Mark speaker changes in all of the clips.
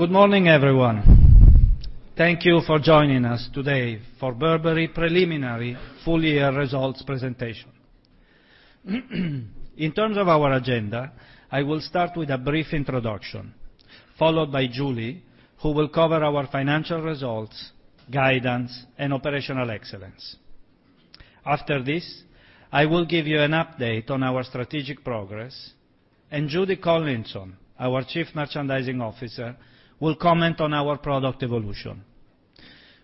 Speaker 1: Good morning, everyone. Thank you for joining us today for Burberry preliminary full-year results presentation. In terms of our agenda, I will start with a brief introduction, followed by Julie, who will cover our financial results, guidance, and operational excellence. After this, I will give you an update on our strategic progress, and Judy Collinson, our Chief Merchandising Officer, will comment on our product evolution.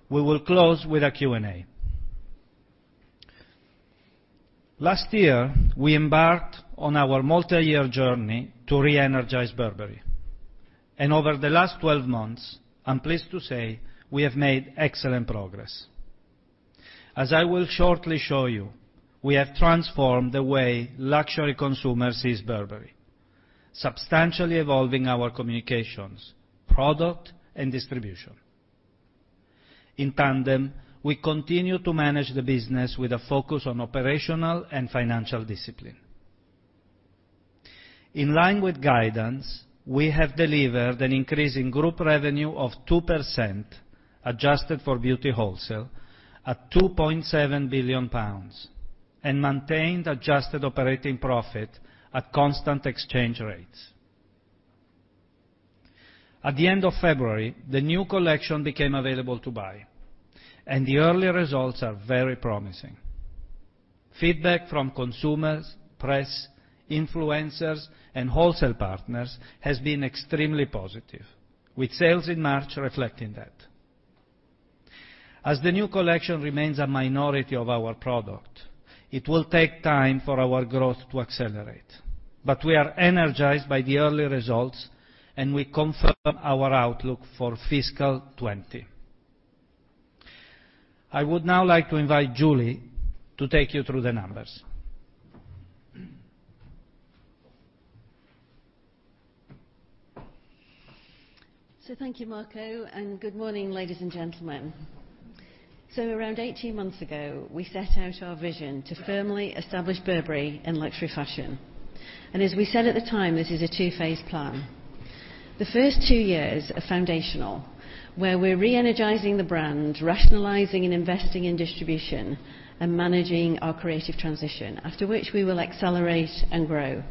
Speaker 1: We will close with a Q&A. Last year, we embarked on our multi-year journey to reenergize Burberry. Over the last 12 months, I'm pleased to say we have made excellent progress. As I will shortly show you, we have transformed the way luxury consumers sees Burberry, substantially evolving our communications, product, and distribution. In tandem, we continue to manage the business with a focus on operational and financial discipline. In line with guidance, we have delivered an increase in group revenue of 2%, adjusted for Beauty wholesale, at 2.7 billion pounds, and maintained adjusted operating profit at constant exchange rates. At the end of February, the new collection became available to buy, and the early results are very promising. Feedback from consumers, press, influencers, and wholesale partners has been extremely positive, with sales in March reflecting that. As the new collection remains a minority of our product, it will take time for our growth to accelerate. We are energized by the early results, and we confirm our outlook for fiscal 2020. I would now like to invite Julie to take you through the numbers.
Speaker 2: Thank you, Marco, and good morning, ladies and gentlemen. Around 18 months ago, we set out our vision to firmly establish Burberry in luxury fashion. As we said at the time, this is a 2-phase plan. The first two years are foundational, where we're reenergizing the brand, rationalizing and investing in distribution, and managing our creative transition, after which we will accelerate and grow.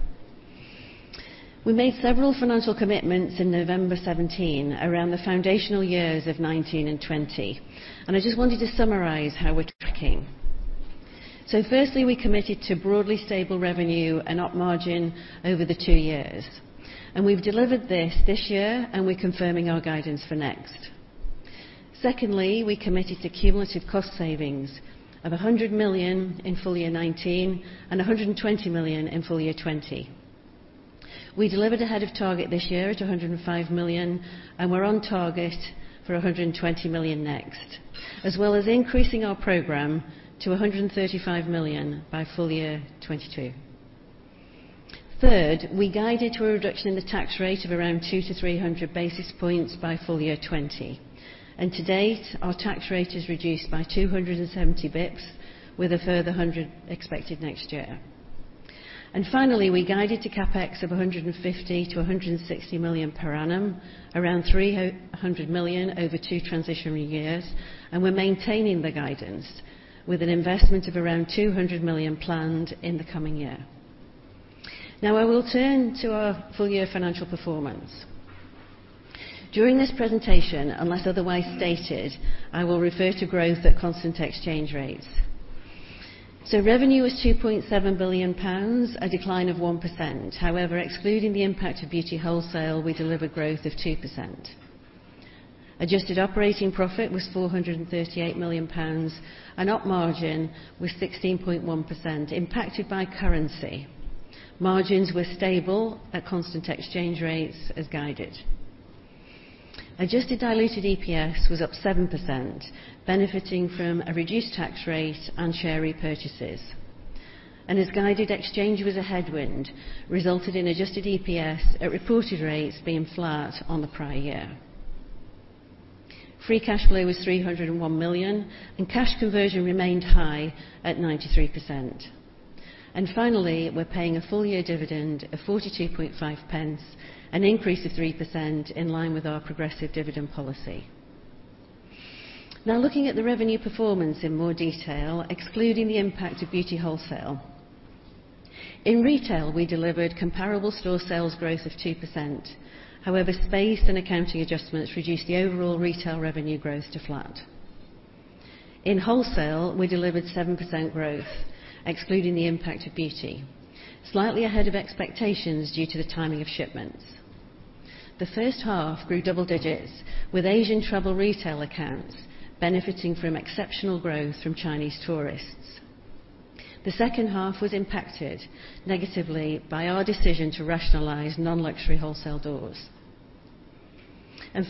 Speaker 2: We made several financial commitments in November 2017 around the foundational years of 2019 and 2020, I just wanted to summarize how we're tracking. Firstly, we committed to broadly stable revenue and op margin over the two years, we've delivered this this year, and we're confirming our guidance for next. Secondly, we committed to cumulative cost savings of 100 million in full year 2019 and 120 million in full year 2020. We delivered ahead of target this year at 105 million, we're on target for 120 million next, as well as increasing our program to 135 million by full year 2022. Third, we guided to a reduction in the tax rate of around two to 300 basis points by full year 2020. To date, our tax rate is reduced by 270 basis points, with a further 100 expected next year. Finally, we guided to CapEx of 150-160 million per annum, around 300 million over two transitionary years, we're maintaining the guidance with an investment of around 200 million planned in the coming year. I will turn to our full-year financial performance. During this presentation, unless otherwise stated, I will refer to growth at constant exchange rates. Revenue was 2.7 billion pounds, a decline of 1%. However, excluding the impact of Beauty wholesale, we delivered growth of 2%. Adjusted operating profit was £438 million, and op margin was 16.1%, impacted by currency. Margins were stable at constant exchange rates as guided. Adjusted diluted EPS was up 7%, benefiting from a reduced tax rate and share repurchases. As guided, exchange was a headwind, resulted in adjusted EPS at reported rates being flat on the prior year. Free cash flow was 301 million, and cash conversion remained high at 93%. Finally, we're paying a full-year dividend of 0.425, an increase of 3% in line with our progressive dividend policy. Looking at the revenue performance in more detail, excluding the impact of Beauty wholesale. In retail, we delivered comparable store sales growth of 2%. However, space and accounting adjustments reduced the overall retail revenue growth to flat. In wholesale, we delivered 7% growth, excluding the impact of Beauty, slightly ahead of expectations due to the timing of shipments. The first half grew double digits with Asian travel retail accounts benefiting from exceptional growth from Chinese tourists. The second half was impacted negatively by our decision to rationalize non-luxury wholesale doors.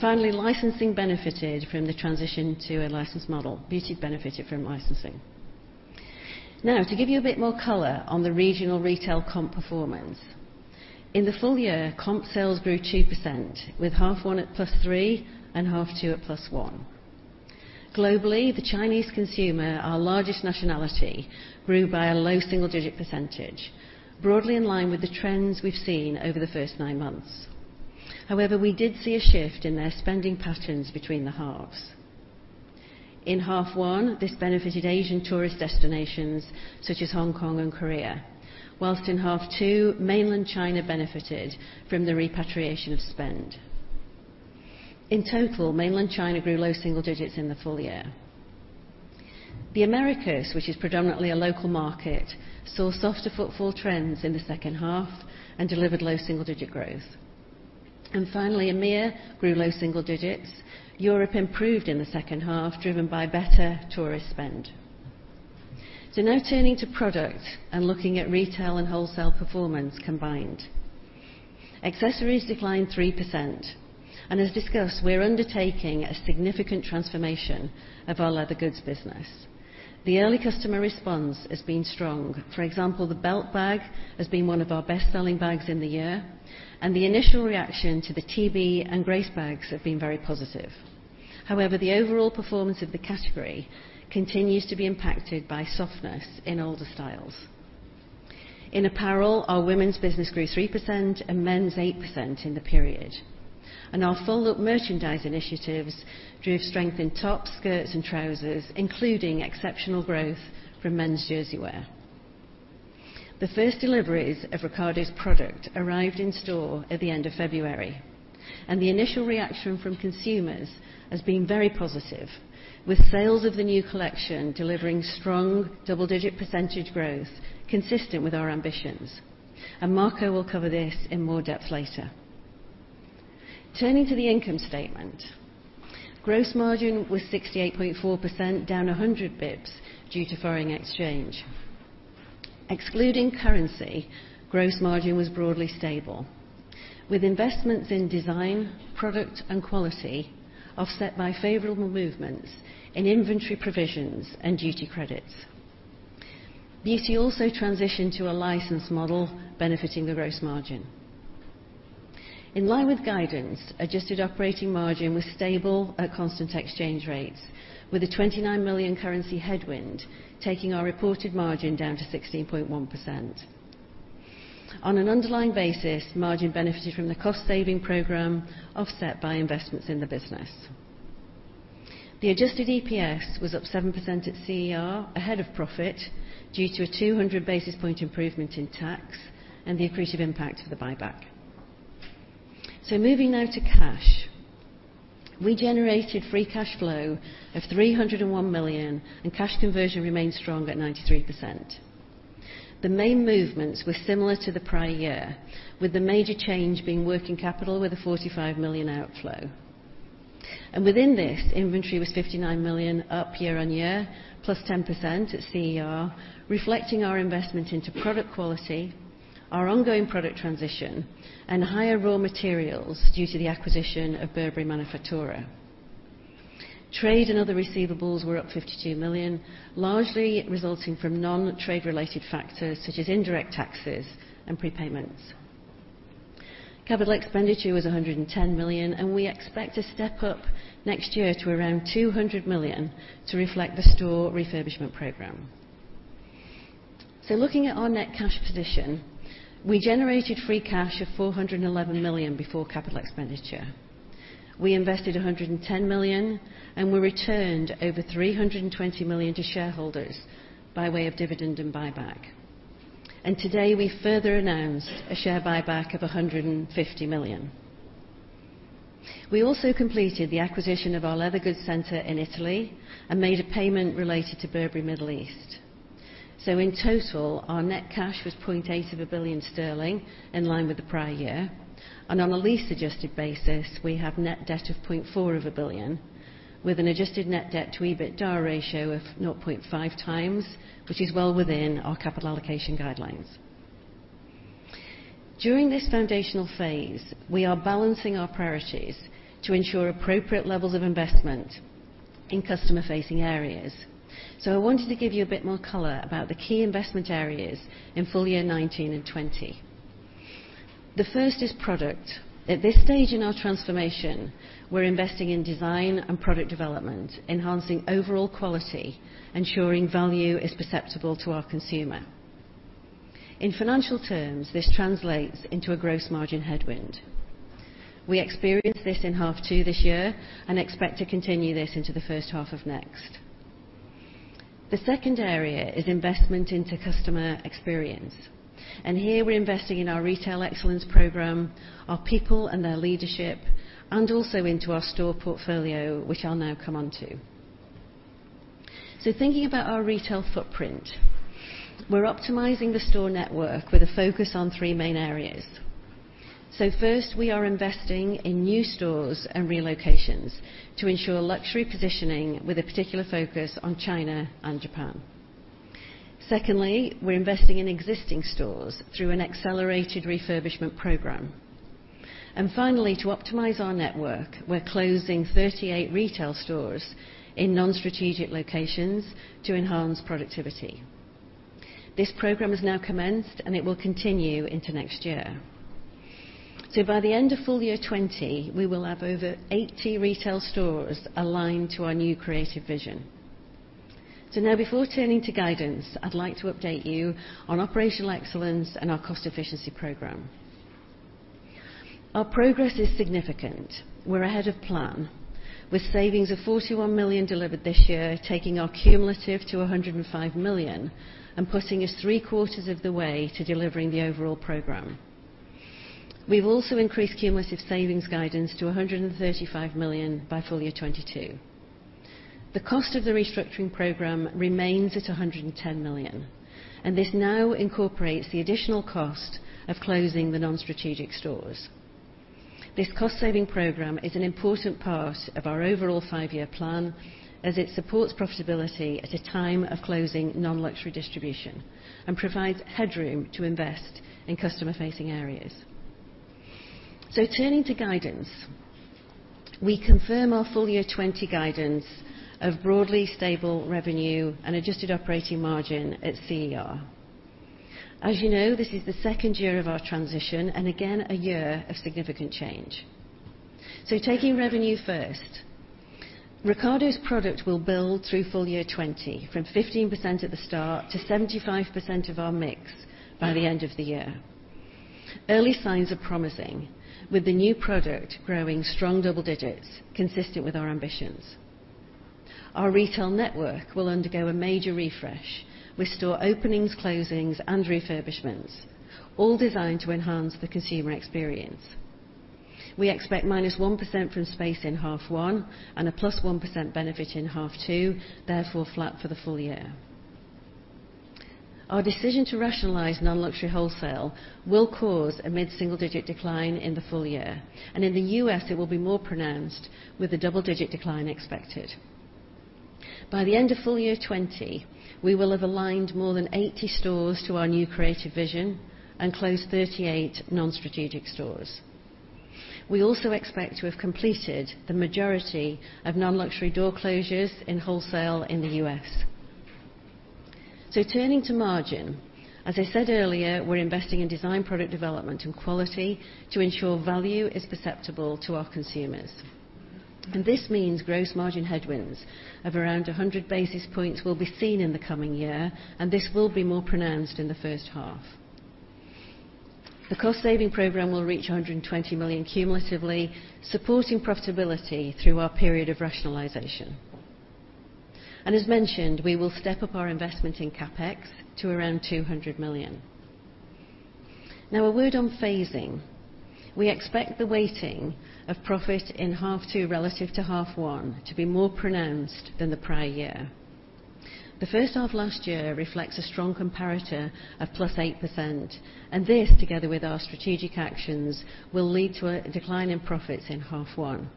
Speaker 2: Finally, licensing benefited from the transition to a license model. Beauty benefited from licensing. To give you a bit more color on the regional retail comp performance. In the full year, comp sales grew 2%, with half one at plus three and half two at plus one. Globally, the Chinese consumer, our largest nationality, grew by a low single-digit percentage, broadly in line with the trends we've seen over the first nine months. However, we did see a shift in their spending patterns between the halves. In half one, this benefited Asian tourist destinations such as Hong Kong and Korea, whilst in half two, mainland China benefited from the repatriation of spend. In total, mainland China grew low single digits in the full year. The Americas, which is predominantly a local market, saw softer footfall trends in the second half and delivered low single-digit growth. Finally, EMEIA grew low single digits. Europe improved in the second half, driven by better tourist spend. Now turning to product and looking at retail and wholesale performance combined. Accessories declined 3%, and as discussed, we're undertaking a significant transformation of our leather goods business. The early customer response has been strong. For example, the belt bag has been one of our best-selling bags in the year, and the initial reaction to the TB and Grace bags have been very positive. However, the overall performance of the category continues to be impacted by softness in older styles. In apparel, our women's business grew 3% and men's 8% in the period. Our full-look merchandise initiatives drove strength in tops, skirts, and trousers, including exceptional growth from men's jersey wear. The first deliveries of Riccardo's product arrived in store at the end of February, and the initial reaction from consumers has been very positive, with sales of the new collection delivering strong double-digit percentage growth consistent with our ambitions. Marco will cover this in more depth later. Turning to the income statement. Gross margin was 68.4%, down 100 basis points due to foreign exchange. Excluding currency, gross margin was broadly stable, with investments in design, product, and quality offset by favorable movements in inventory provisions and duty credits. Beauty also transitioned to a license model benefiting the gross margin. In line with guidance, adjusted operating margin was stable at constant exchange rates, with a 29 million currency headwind, taking our reported margin down to 16.1%. On an underlying basis, margin benefited from the cost-saving program offset by investments in the business. The adjusted EPS was up 7% at CER, ahead of profit due to a 200 basis point improvement in tax and the accretive impact of the buyback. Moving now to cash. We generated free cash flow of 301 million, and cash conversion remains strong at 93%. The main movements were similar to the prior year, with the major change being working capital with a 45 million outflow. Within this, inventory was 59 million up year on year, plus 10% at CER, reflecting our investment into product quality, our ongoing product transition, and higher raw materials due to the acquisition of Burberry Manufactura. Trade and other receivables were up 52 million, largely resulting from non-trade-related factors such as indirect taxes and prepayments. Capital expenditure was 110 million, and we expect to step up next year to around 200 million to reflect the store refurbishment program. Looking at our net cash position, we generated free cash of 411 million before capital expenditure. We invested 110 million, and we returned over 320 million to shareholders by way of dividend and buyback. Today, we further announced a share buyback of 150 million. We also completed the acquisition of our leather goods center in Italy and made a payment related to Burberry Middle East. In total, our net cash was 0.8 billion sterling, in line with the prior year. On a lease adjusted basis, we have net debt of 0.4 billion, with an adjusted net debt to EBITDA ratio of 0.5 times, which is well within our capital allocation guidelines. During this foundational phase, we are balancing our priorities to ensure appropriate levels of investment in customer-facing areas. I wanted to give you a bit more color about the key investment areas in full year 2019 and 2020. The first is product. At this stage in our transformation, we're investing in design and product development, enhancing overall quality, ensuring value is perceptible to our consumer. In financial terms, this translates into a gross margin headwind. We experienced this in half two this year and expect to continue this into the first half of next. The second area is investment into customer experience. Here we're investing in our retail excellence program, our people and their leadership, and also into our store portfolio, which I'll now come on to. Thinking about our retail footprint. We're optimizing the store network with a focus on three main areas. First, we are investing in new stores and relocations to ensure luxury positioning with a particular focus on China and Japan. Secondly, we're investing in existing stores through an accelerated refurbishment program. Finally, to optimize our network, we're closing 38 retail stores in non-strategic locations to enhance productivity. This program has now commenced, and it will continue into next year. By the end of full year 2020, we will have over 80 retail stores aligned to our new creative vision. Now, before turning to guidance, I'd like to update you on operational excellence and our cost efficiency program. Our progress is significant. We're ahead of plan, with savings of 41 million delivered this year, taking our cumulative to 105 million, and putting us three quarters of the way to delivering the overall program. We've also increased cumulative savings guidance to 135 million by full year 2022. The cost of the restructuring program remains at 110 million, and this now incorporates the additional cost of closing the non-strategic stores. This cost saving program is an important part of our overall five-year plan, as it supports profitability at a time of closing non-luxury distribution and provides headroom to invest in customer facing areas. Turning to guidance, we confirm our full year 2020 guidance of broadly stable revenue and adjusted operating margin at CER. As you know, this is the second year of our transition, and again, a year of significant change. Taking revenue first. Riccardo's product will build through full year 2020, from 15% at the start to 75% of our mix by the end of the year. Early signs are promising with the new product growing strong double digits consistent with our ambitions. Our retail network will undergo a major refresh with store openings, closings, and refurbishments, all designed to enhance the consumer experience. We expect -1% from space in half one and a +1% benefit in half two, therefore flat for the full year. Our decision to rationalize non-luxury wholesale will cause a mid-single digit decline in the full year. In the U.S. it will be more pronounced with a double digit decline expected. By the end of full year 2020, we will have aligned more than 80 stores to our new creative vision and closed 38 non-strategic stores. We also expect to have completed the majority of non-luxury door closures in wholesale in the U.S. Turning to margin. As I said earlier, we're investing in design product development and quality to ensure value is perceptible to our consumers. This means gross margin headwinds of around 100 basis points will be seen in the coming year, and this will be more pronounced in the first half. The cost saving program will reach 120 million cumulatively, supporting profitability through our period of rationalization. As mentioned, we will step up our investment in CapEx to around 200 million. Now a word on phasing. We expect the weighting of profit in half two relative to half one to be more pronounced than the prior year. The first half last year reflects a strong comparator of +8%, this together with our strategic actions will lead to a decline in profits in half one.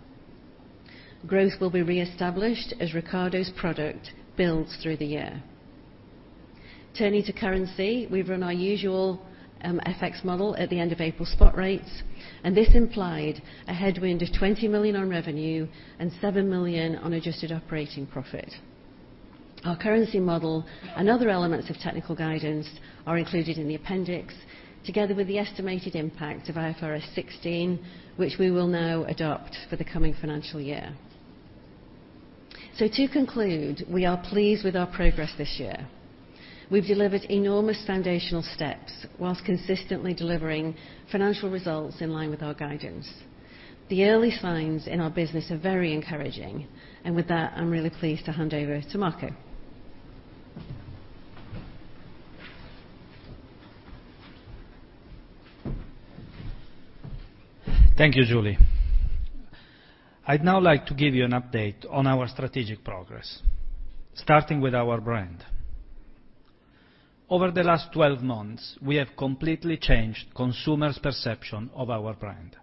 Speaker 2: Growth will be reestablished as Riccardo's product builds through the year. Turning to currency, we've run our usual FX model at the end of April spot rates, this implied a headwind of 20 million on revenue and 7 million on adjusted operating profit. Our currency model and other elements of technical guidance are included in the appendix together with the estimated impact of IFRS 16, which we will now adopt for the coming financial year. To conclude, we are pleased with our progress this year. We've delivered enormous foundational steps whilst consistently delivering financial results in line with our guidance. The early signs in our business are very encouraging. Thank you, Julie. I am really pleased to hand over to Marco.
Speaker 1: Thank you, Julie. I would now like to give you an update on our strategic progress, starting with our brand. Over the last 12 months, we have completely changed consumers' perception of our brand,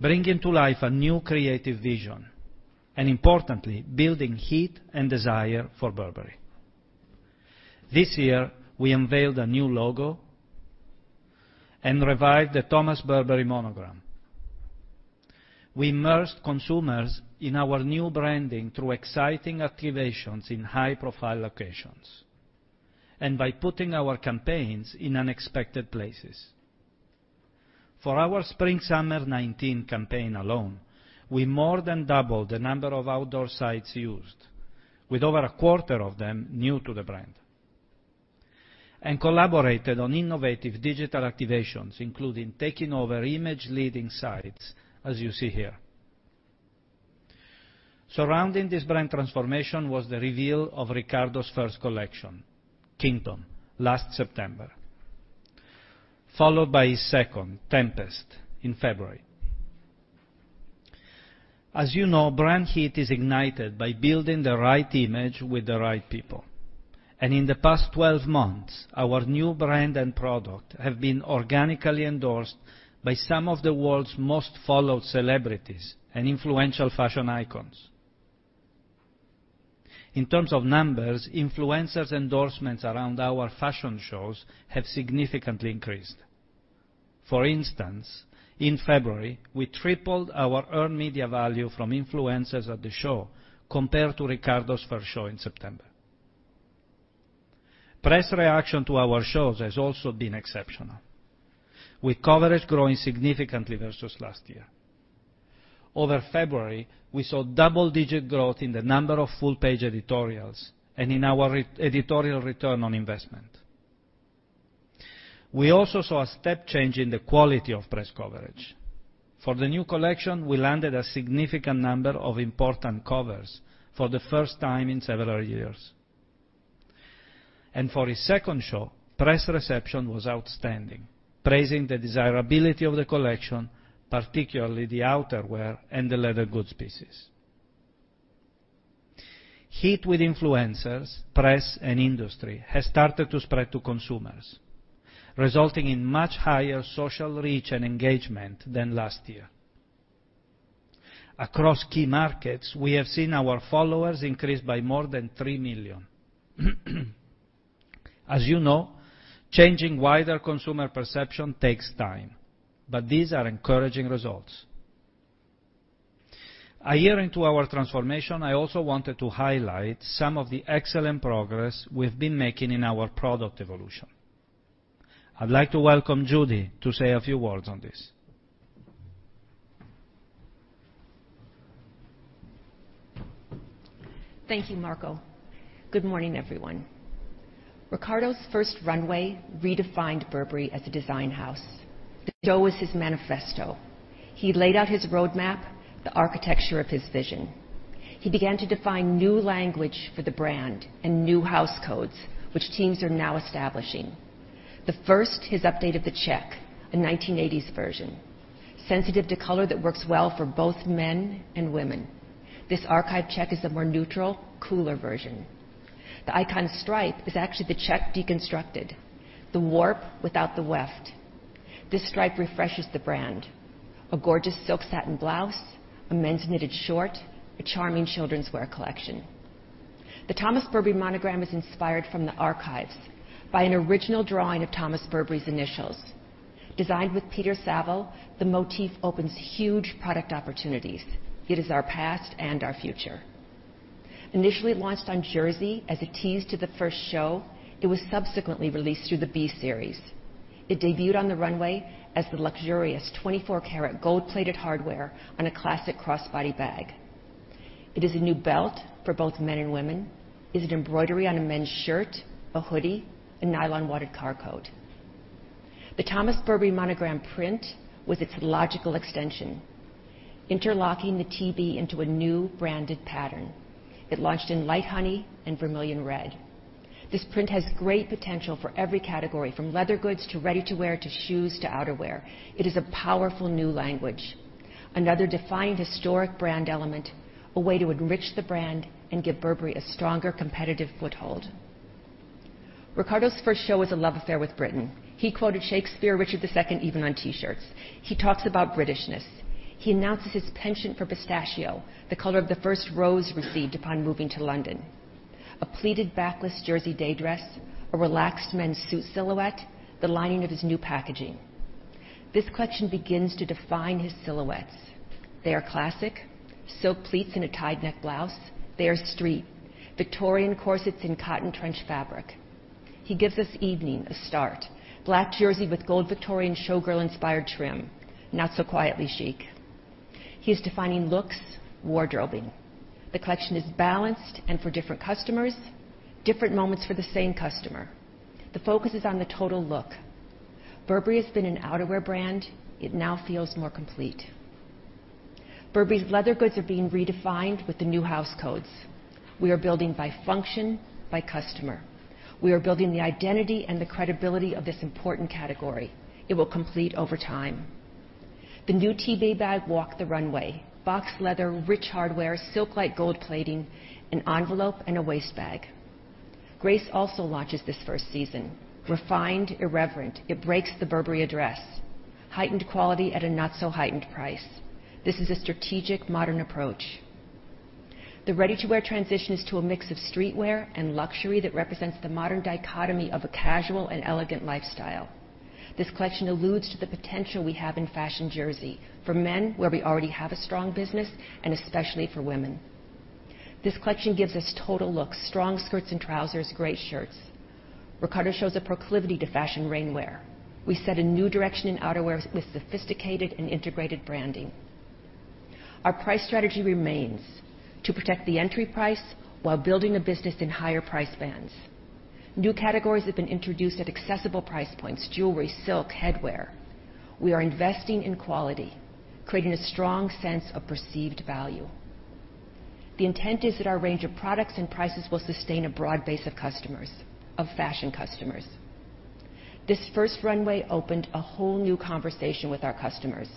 Speaker 1: bringing to life a new creative vision, and importantly, building heat and desire for Burberry. This year, we unveiled a new logo and revived the Thomas Burberry Monogram. We immersed consumers in our new branding through exciting activations in high-profile locations and by putting our campaigns in unexpected places. For our spring summer 2019 campaign alone, we more than doubled the number of outdoor sites used, with over a quarter of them new to the brand, and collaborated on innovative digital activations including taking over image leading sites, as you see here. Surrounding this brand transformation was the reveal of Riccardo's first collection, Kingdom, last September, followed by his second, Tempest, in February. As you know, brand heat is ignited by building the right image with the right people. In the past 12 months, our new brand and product have been organically endorsed by some of the world's most followed celebrities and influential fashion icons. In terms of numbers, influencers endorsements around our fashion shows have significantly increased. For instance, in February, we tripled our earned media value from influencers at the show compared to Riccardo's first show in September. Press reaction to our shows has also been exceptional, with coverage growing significantly versus last year. Over February, we saw double-digit growth in the number of full-page editorials and in our editorial return on investment. We also saw a step change in the quality of press coverage. For the new collection, we landed a significant number of important covers for the first time in several years. For his second show, press reception was outstanding, praising the desirability of the collection, particularly the outerwear and the leather goods pieces. Heat with influencers, press, and industry has started to spread to consumers, resulting in much higher social reach and engagement than last year. Across key markets, we have seen our followers increase by more than three million. As you know, changing wider consumer perception takes time, but these are encouraging results. A year into our transformation, I also wanted to highlight some of the excellent progress we have been making in our product evolution. I would like to welcome Judy to say a few words on this.
Speaker 3: Thank you, Marco. Good morning, everyone. Riccardo's first runway redefined Burberry as a design house. The show was his manifesto. He laid out his roadmap, the architecture of his vision. He began to define new language for the brand and new house codes, which teams are now establishing. The first, his update of the check, a 1980s version, sensitive to color that works well for both men and women. This archive check is a more neutral, cooler version. The Icon Stripe is actually the check deconstructed, the warp without the weft. This stripe refreshes the brand. A gorgeous silk satin blouse, a men's knitted short, a charming childrenswear collection. The Thomas Burberry Monogram is inspired from the archives by an original drawing of Thomas Burberry's initials. Designed with Peter Saville, the motif opens huge product opportunities. It is our past and our future. Initially launched on jersey as a tease to the first show, it was subsequently released through the B Series. It debuted on the runway as the luxurious 24 karat gold-plated hardware on a classic crossbody bag. It is a new belt for both men and women, is an embroidery on a men's shirt, a hoodie, a nylon wadded car coat. The Thomas Burberry Monogram print was its logical extension, interlocking the TB into a new branded pattern. It launched in light honey and vermilion red. This print has great potential for every category, from leather goods, to ready-to-wear, to shoes, to outerwear. It is a powerful new language, another defining historic brand element, a way to enrich the brand and give Burberry a stronger competitive foothold. Riccardo's first show was a love affair with Britain. He quoted Shakespeare, Richard II, even on T-shirts. He talks about Britishness. He announces his penchant for pistachio, the color of the first rose received upon moving to London. A pleated backless jersey day dress, a relaxed men's suit silhouette, the lining of his new packaging. This collection begins to define his silhouettes. They are classic, silk pleats in a tied-neck blouse. They are street, Victorian corsets in cotton trench fabric. He gives us evening, a start. Black jersey with gold Victorian showgirl-inspired trim, not so quietly chic. He is defining looks, wardrobing. The collection is balanced and for different customers, different moments for the same customer. The focus is on the total look. Burberry has been an outerwear brand. It now feels more complete. Burberry leather goods are being redefined with the new house codes. We are building by function, by customer. We are building the identity and the credibility of this important category. It will complete over time. The new TB Bag walked the runway. Box leather, rich hardware, silk-like gold plating, an envelope, and a waist bag. Grace also launches this first season. Refined, irreverent, it breaks the Burberry address. Heightened quality at a not-so-heightened price. This is a strategic modern approach. The ready-to-wear transition is to a mix of streetwear and luxury that represents the modern dichotomy of a casual and elegant lifestyle. This collection alludes to the potential we have in fashion jersey for men, where we already have a strong business, and especially for women. This collection gives us total looks, strong skirts and trousers, great shirts. Riccardo shows a proclivity to fashion rainwear. We set a new direction in outerwear with sophisticated and integrated branding. Our price strategy remains to protect the entry price while building a business in higher price bands. New categories have been introduced at accessible price points, jewelry, silk, headwear. We are investing in quality, creating a strong sense of perceived value. The intent is that our range of products and prices will sustain a broad base of customers, of fashion customers. This first runway opened a whole new conversation with our customers.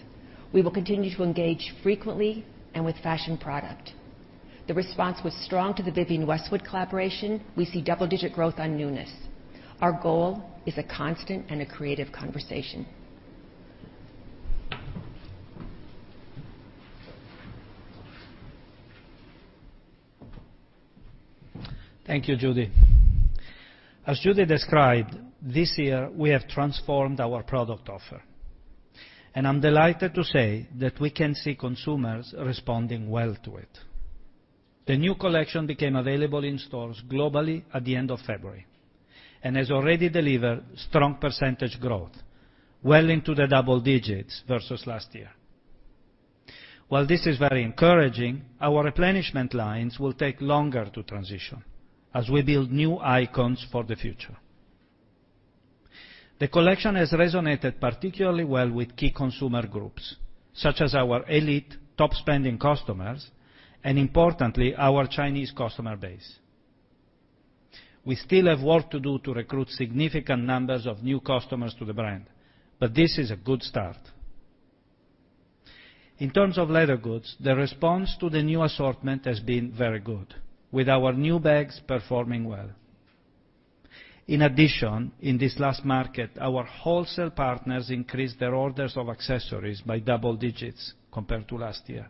Speaker 3: We will continue to engage frequently and with fashion product. The response was strong to the Vivienne Westwood collaboration. We see double-digit growth on newness. Our goal is a constant and a creative conversation.
Speaker 1: Thank you, Judy. As Judy described, this year, we have transformed our product offer. I'm delighted to say that we can see consumers responding well to it. The new collection became available in stores globally at the end of February and has already delivered strong percentage growth, well into the double digits versus last year. While this is very encouraging, our replenishment lines will take longer to transition as we build new icons for the future. The collection has resonated particularly well with key consumer groups, such as our elite top-spending customers and, importantly, our Chinese customer base. We still have work to do to recruit significant numbers of new customers to the brand, but this is a good start. In terms of leather goods, the response to the new assortment has been very good, with our new bags performing well. In addition, in this last market, our wholesale partners increased their orders of accessories by double digits compared to last year,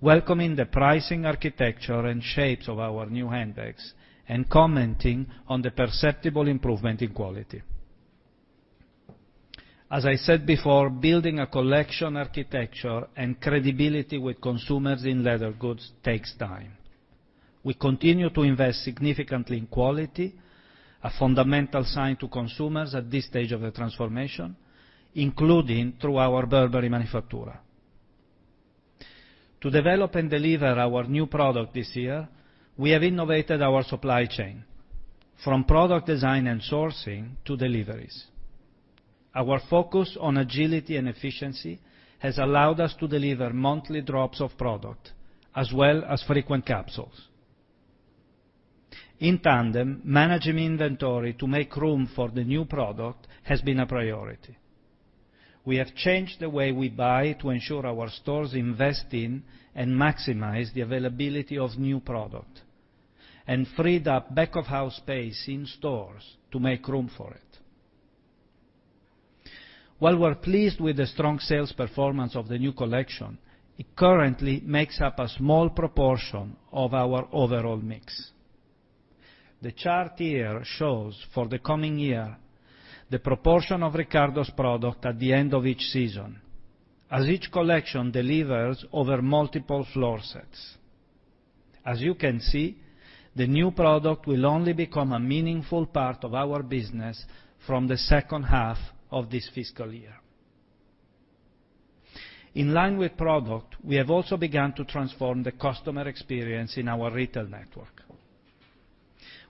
Speaker 1: welcoming the pricing architecture and shapes of our new handbags and commenting on the perceptible improvement in quality. As I said before, building a collection architecture and credibility with consumers in leather goods takes time. We continue to invest significantly in quality, a fundamental sign to consumers at this stage of the transformation, including through our Burberry Manufactura. To develop and deliver our new product this year, we have innovated our supply chain from product design and sourcing to deliveries. Our focus on agility and efficiency has allowed us to deliver monthly drops of product as well as frequent capsules. In tandem, managing inventory to make room for the new product has been a priority. We have changed the way we buy to ensure our stores invest in and maximize the availability of new product and freed up back-of-house space in stores to make room for it. While we're pleased with the strong sales performance of the new collection, it currently makes up a small proportion of our overall mix. The chart here shows for the coming year the proportion of Riccardo's product at the end of each season, as each collection delivers over multiple floor sets. As you can see, the new product will only become a meaningful part of our business from the second half of this fiscal year. In line with product, we have also begun to transform the customer experience in our retail network.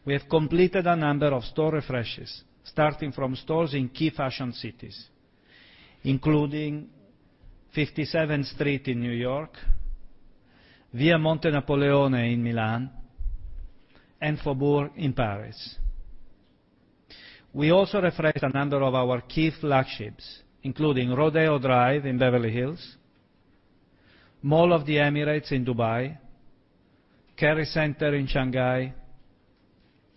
Speaker 1: We have completed a number of store refreshes, starting from stores in key fashion cities, including 57th Street in New York, Via Monte Napoleone in Milan, and Faubourg in Paris. We also refreshed a number of our key flagships, including Rodeo Drive in Beverly Hills, Mall of the Emirates in Dubai, Kerry Centre in Shanghai,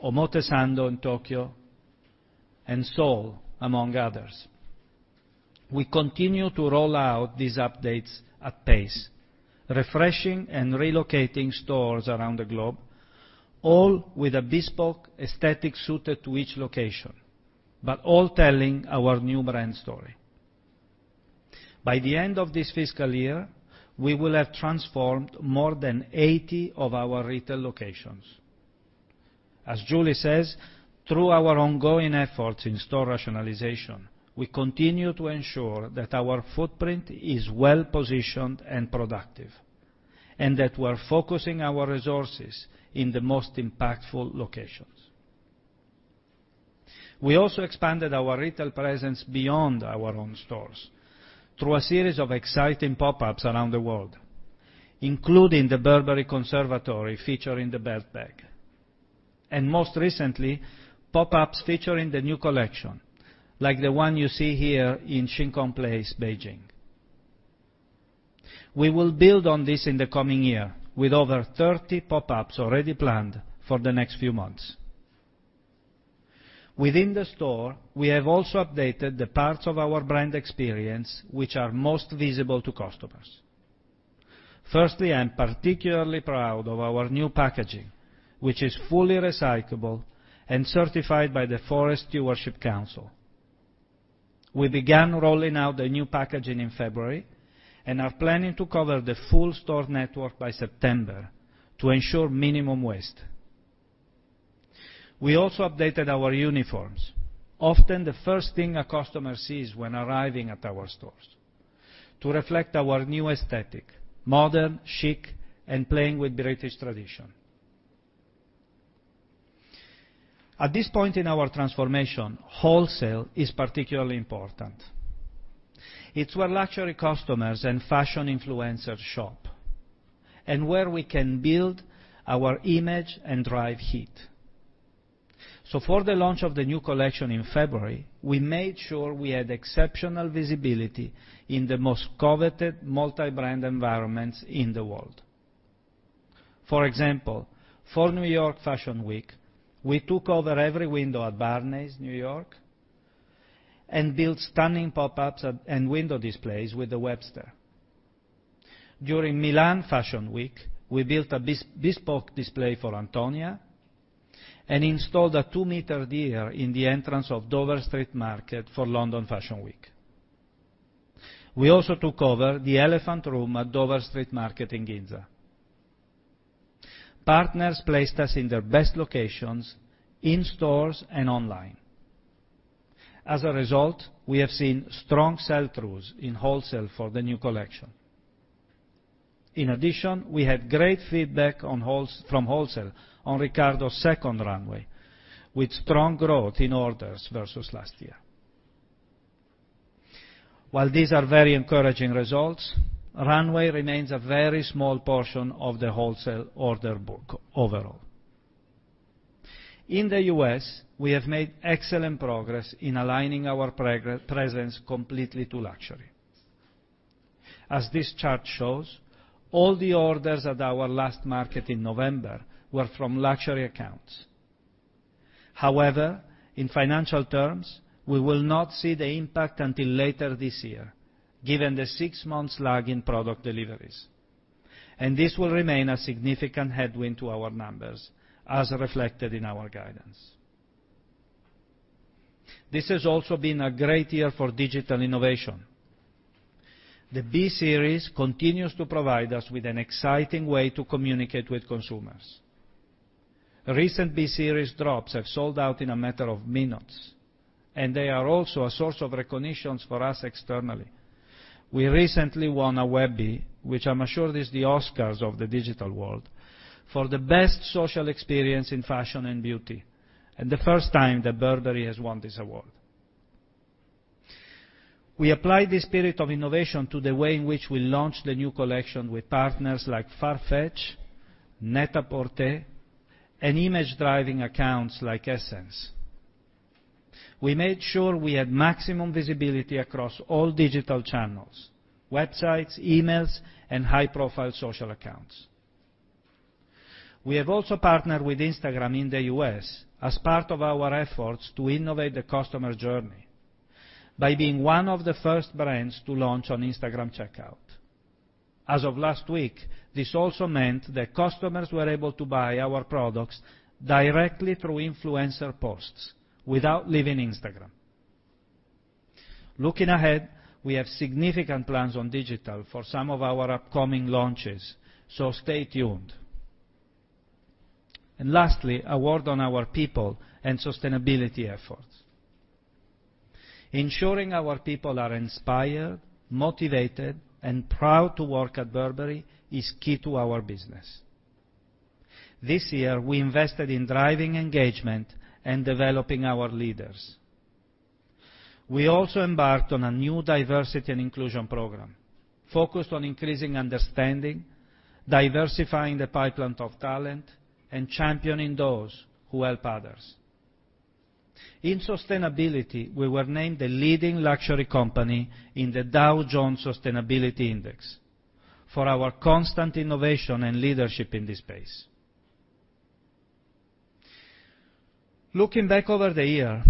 Speaker 1: Omotesando in Tokyo, and Seoul, among others. We continue to roll out these updates at pace, refreshing and relocating stores around the globe, all with a bespoke aesthetic suited to each location, but all telling our new brand story. By the end of this fiscal year, we will have transformed more than 80 of our retail locations. As Julie says, through our ongoing efforts in store rationalization, we continue to ensure that our footprint is well-positioned and productive, and that we're focusing our resources in the most impactful locations. We also expanded our retail presence beyond our own stores through a series of exciting pop-ups around the world, including the Burberry Conservatory feature in the belt bag. Most recently, pop-ups featuring the new collection, like the one you see here in Shin Kong Place, Beijing. We will build on this in the coming year with over 30 pop-ups already planned for the next few months. Within the store, we have also updated the parts of our brand experience which are most visible to customers. Firstly, I'm particularly proud of our new packaging, which is fully recyclable and certified by the Forest Stewardship Council. We began rolling out the new packaging in February and are planning to cover the full store network by September to ensure minimum waste. We also updated our uniforms, often the first thing a customer sees when arriving at our stores, to reflect our new aesthetic, modern, chic, and playing with British tradition. At this point in our transformation, wholesale is particularly important. It's where luxury customers and fashion influencers shop and where we can build our image and drive heat. For the launch of the new collection in February, we made sure we had exceptional visibility in the most coveted multi-brand environments in the world. For example, for New York Fashion Week, we took over every window at Barneys New York and built stunning pop-ups and window displays with The Webster. During Milan Fashion Week, we built a bespoke display for Antonia and installed a two-meter deer in the entrance of Dover Street Market for London Fashion Week. We also took over the Elephant Room at Dover Street Market in Ginza. Partners placed us in their best locations in stores and online. As a result, we have seen strong sell-throughs in wholesale for the new collection. We had great feedback from wholesale on Riccardo's second runway, with strong growth in orders versus last year. While these are very encouraging results, runway remains a very small portion of the wholesale order book overall. In the U.S., we have made excellent progress in aligning our presence completely to luxury. As this chart shows, all the orders at our last market in November were from luxury accounts. In financial terms, we will not see the impact until later this year, given the six months lag in product deliveries. This will remain a significant headwind to our numbers as reflected in our guidance. This has also been a great year for digital innovation. The B Series continues to provide us with an exciting way to communicate with consumers. Recent B Series drops have sold out in a matter of minutes, and they are also a source of recognition for us externally. We recently won a Webby, which I'm assured is the Oscars of the digital world, for the best social experience in fashion and beauty, and the first time that Burberry has won this award. We applied this spirit of innovation to the way in which we launched the new collection with partners like Farfetch, NET-A-PORTER, and image-driving accounts like Ssense. We made sure we had maximum visibility across all digital channels, websites, emails, and high-profile social accounts. We have also partnered with Instagram in the U.S. as part of our efforts to innovate the customer journey by being one of the first brands to launch on Instagram Checkout. As of last week, this also meant that customers were able to buy our products directly through influencer posts without leaving Instagram. Looking ahead, we have significant plans on digital for some of our upcoming launches, so stay tuned. Lastly, a word on our people and sustainability efforts. Ensuring our people are inspired, motivated, and proud to work at Burberry is key to our business. This year, we invested in driving engagement and developing our leaders. We also embarked on a new diversity and inclusion program focused on increasing understanding, diversifying the pipeline of talent, and championing those who help others. In sustainability, we were named the leading luxury company in the Dow Jones Sustainability Index for our constant innovation and leadership in this space. Looking back over the year,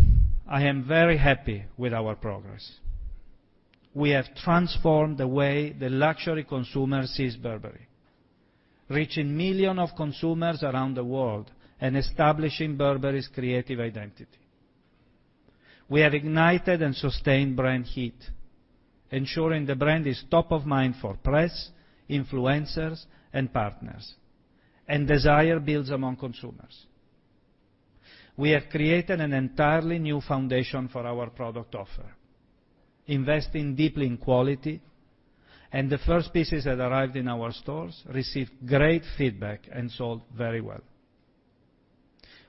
Speaker 1: I am very happy with our progress. We have transformed the way the luxury consumer sees Burberry, reaching millions of consumers around the world and establishing Burberry's creative identity. We have ignited and sustained brand heat, ensuring the brand is top of mind for press, influencers, and partners, and desire builds among consumers. We have created an entirely new foundation for our product offer, investing deeply in quality, and the first pieces that arrived in our stores received great feedback and sold very well.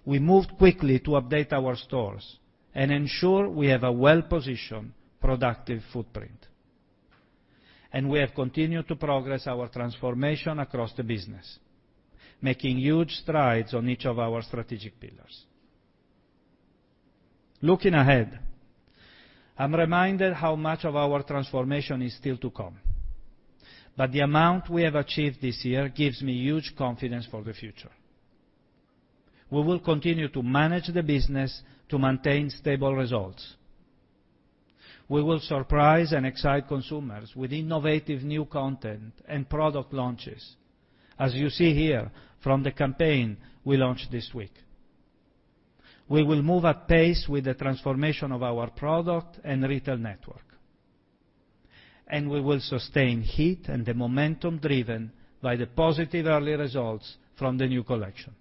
Speaker 1: We moved quickly to update our stores and ensure we have a well-positioned, productive footprint. We have continued to progress our transformation across the business, making huge strides on each of our strategic pillars. Looking ahead, I'm reminded how much of our transformation is still to come. The amount we have achieved this year gives me huge confidence for the future. We will continue to manage the business to maintain stable results. We will surprise and excite consumers with innovative new content and product launches, as you see here from the campaign we launched this week. We will move at pace with the transformation of our product and retail network, we will sustain heat and the momentum driven by the positive early results from the new collection.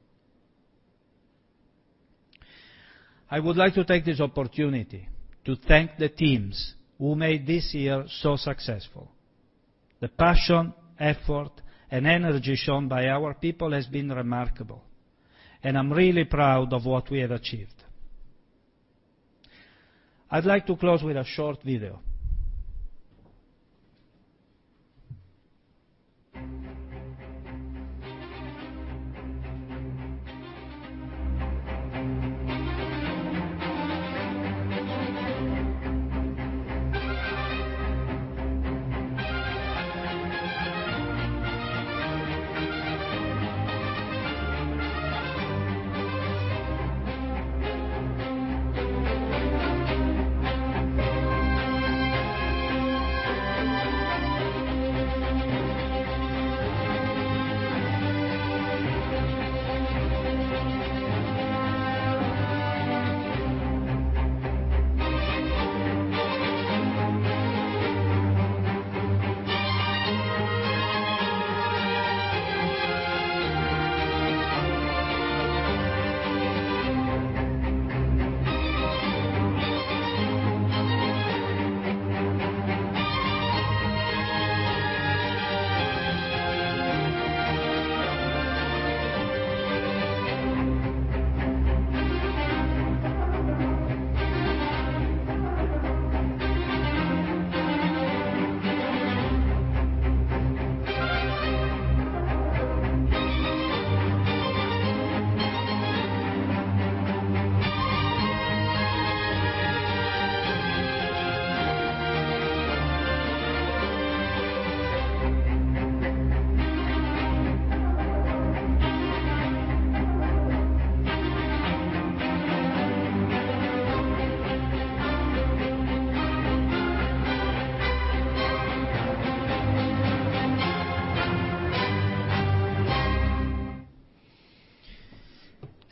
Speaker 1: I would like to take this opportunity to thank the teams who made this year so successful. The passion, effort, and energy shown by our people has been remarkable, and I'm really proud of what we have achieved. I'd like to close with a short video.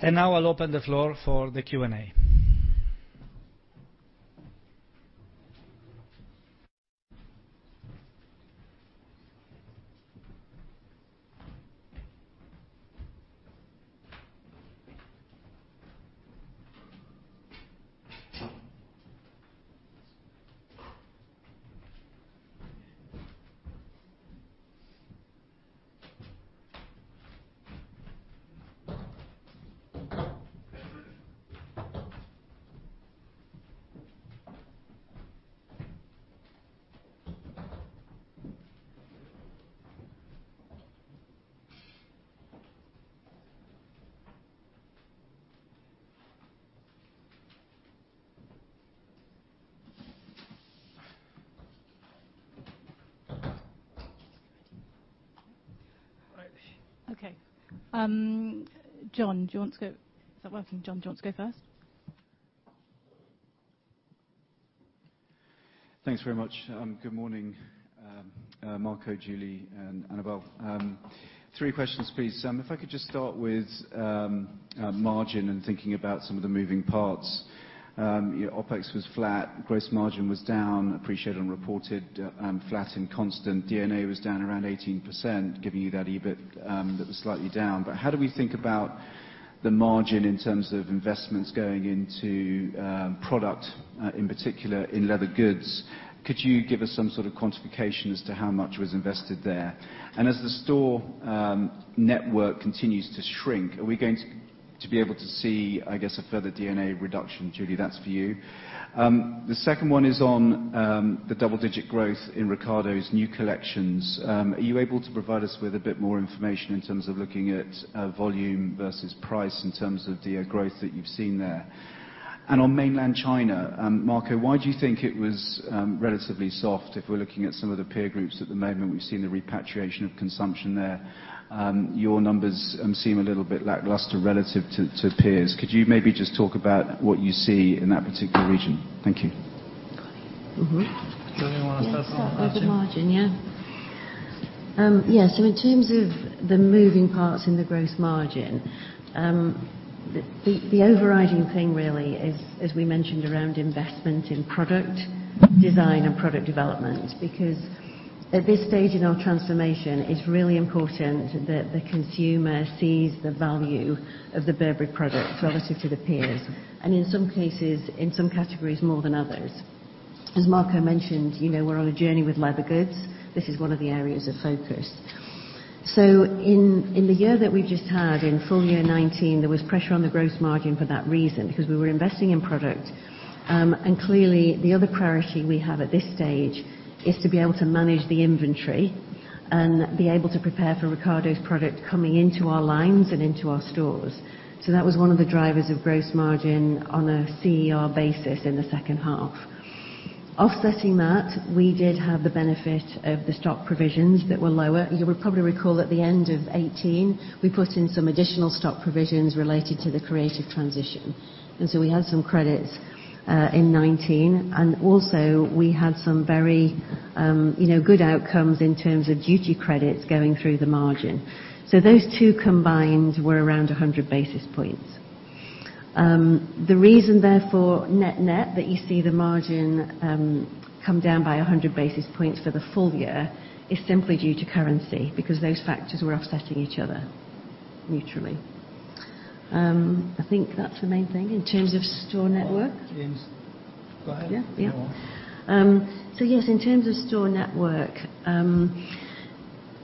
Speaker 1: Now I'll open the floor for the Q&A.
Speaker 4: Right.
Speaker 5: Okay. John, do you want to go first?
Speaker 6: Thanks very much. Good morning, Marco, Julie, and Annabel. Three questions, please. If I could just start with margin and thinking about some of the moving parts. OpEx was flat. Gross margin was down, appreciate unreported and flat and constant. D&A was down around 18%, giving you that EBIT that was slightly down. How do we think about the margin in terms of investments going into product, in particular in leather goods? Could you give us some sort of quantification as to how much was invested there? As the store network continues to shrink, are we going to be able to see, I guess, a further D&A reduction, Julie? That's for you. The second one is on the double-digit growth in Riccardo's new collections. Are you able to provide us with a bit more information in terms of looking at volume versus price in terms of the growth that you've seen there? On Mainland China, Marco, why do you think it was relatively soft? If we're looking at some of the peer groups at the moment, we've seen the repatriation of consumption there. Your numbers seem a little bit lackluster relative to peers. Could you maybe just talk about what you see in that particular region? Thank you.
Speaker 2: Got it. Mm-hmm.
Speaker 1: Julie, you want to start on margin?
Speaker 2: Start with margin. In terms of the moving parts in the gross margin, the overriding thing really is, as we mentioned, around investment in product design and product development, because at this stage in our transformation, it's really important that the consumer sees the value of the Burberry product relative to the peers, and in some cases, in some categories more than others. As Marco mentioned, we're on a journey with leather goods. This is one of the areas of focus. In the year that we've just had, in full year 2019, there was pressure on the gross margin for that reason, because we were investing in product. Clearly, the other priority we have at this stage is to be able to manage the inventory and be able to prepare for Riccardo's product coming into our lines and into our stores. That was one of the drivers of gross margin on a CER basis in the second half. Offsetting that, we did have the benefit of the stock provisions that were lower. You would probably recall at the end of 2018, we put in some additional stock provisions related to the creative transition. We had some credits in 2019. Also, we had some very good outcomes in terms of duty credits going through the margin. Those two combined were around 100 basis points. The reason, therefore, net net that you see the margin come down by 100 basis points for the full year is simply due to currency, because those factors were offsetting each other mutually. I think that's the main thing.
Speaker 1: James, go ahead.
Speaker 2: Yeah.
Speaker 1: If you want.
Speaker 2: Yes, in terms of store network,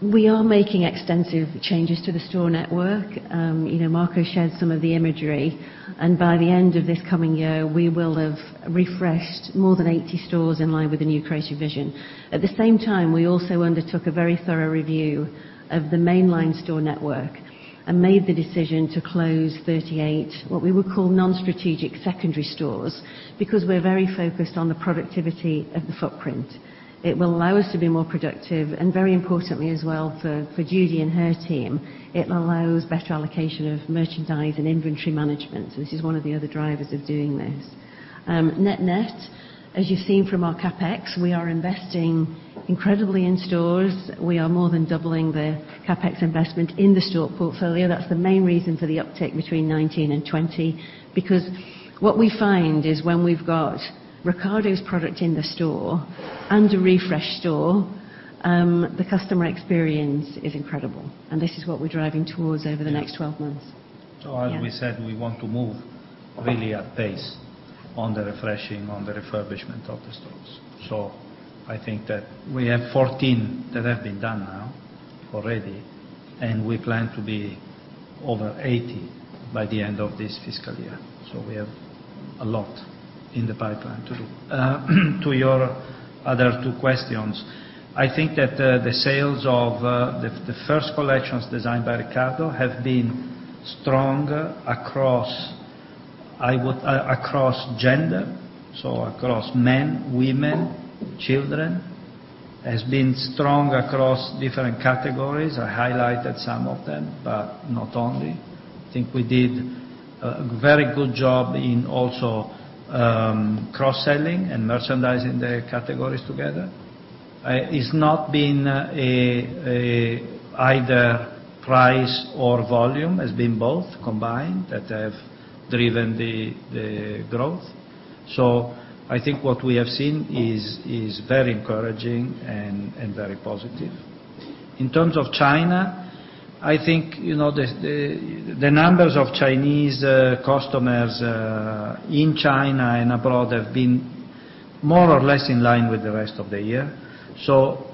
Speaker 2: we are making extensive changes to the store network. Marco shared some of the imagery, and by the end of this coming year, we will have refreshed more than 80 stores in line with the new creative vision. At the same time, we also undertook a very thorough review of the mainline store network and made the decision to close 38, what we would call non-strategic secondary stores, because we're very focused on the productivity of the footprint. It will allow us to be more productive, and very importantly as well for Judy and her team, it allows better allocation of merchandise and inventory management. This is one of the other drivers of doing this. Net net. As you've seen from our CapEx, we are investing incredibly in stores. We are more than doubling the CapEx investment in the store portfolio. That's the main reason for the uptick between 2019 and 2020. What we find is when we've got Riccardo's product in the store and a refreshed store, the customer experience is incredible, and this is what we're driving towards over the next 12 months.
Speaker 1: As we said, we want to move really at pace on the refreshing, on the refurbishment of the stores. I think that we have 14 that have been done now already, and we plan to be over 80 by the end of this fiscal year. We have a lot in the pipeline to do. To your other two questions, I think that the sales of the first collections designed by Riccardo have been stronger across gender, so across men, women, children. Has been strong across different categories. I highlighted some of them, but not only. I think we did a very good job in also cross-selling and merchandising the categories together. It's not been either price or volume. It's been both combined that have driven the growth. I think what we have seen is very encouraging and very positive. In terms of China, I think, the numbers of Chinese customers in China and abroad have been more or less in line with the rest of the year.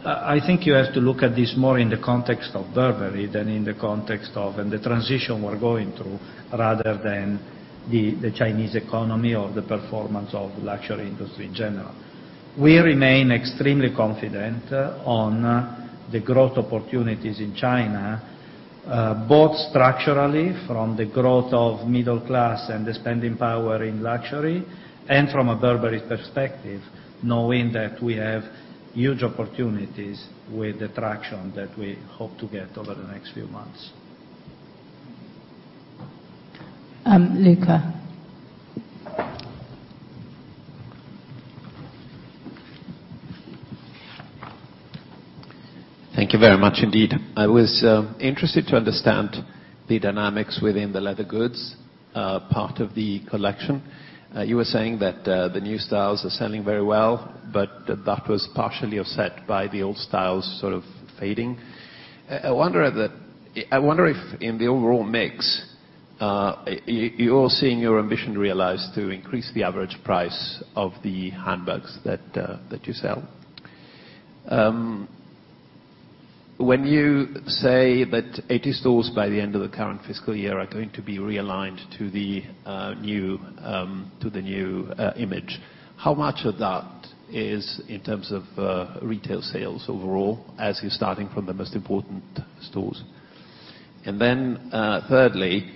Speaker 1: I think you have to look at this more in the context of Burberry than in the context of, and the transition we're going through, rather than the Chinese economy or the performance of the luxury industry in general. We remain extremely confident on the growth opportunities in China, both structurally from the growth of middle class and the spending power in luxury and from a Burberry perspective, knowing that we have huge opportunities with the traction that we hope to get over the next few months.
Speaker 5: Luca.
Speaker 6: Thank you very much indeed. I was interested to understand the dynamics within the leather goods part of the collection. You were saying that the new styles are selling very well, but that was partially offset by the old styles sort of fading. I wonder if in the overall mix, you're seeing your ambition realized to increase the average price of the handbags that you sell. When you say that 80 stores by the end of the current fiscal year are going to be realigned to the new image, how much of that is in terms of retail sales overall as you're starting from the most important stores? Thirdly,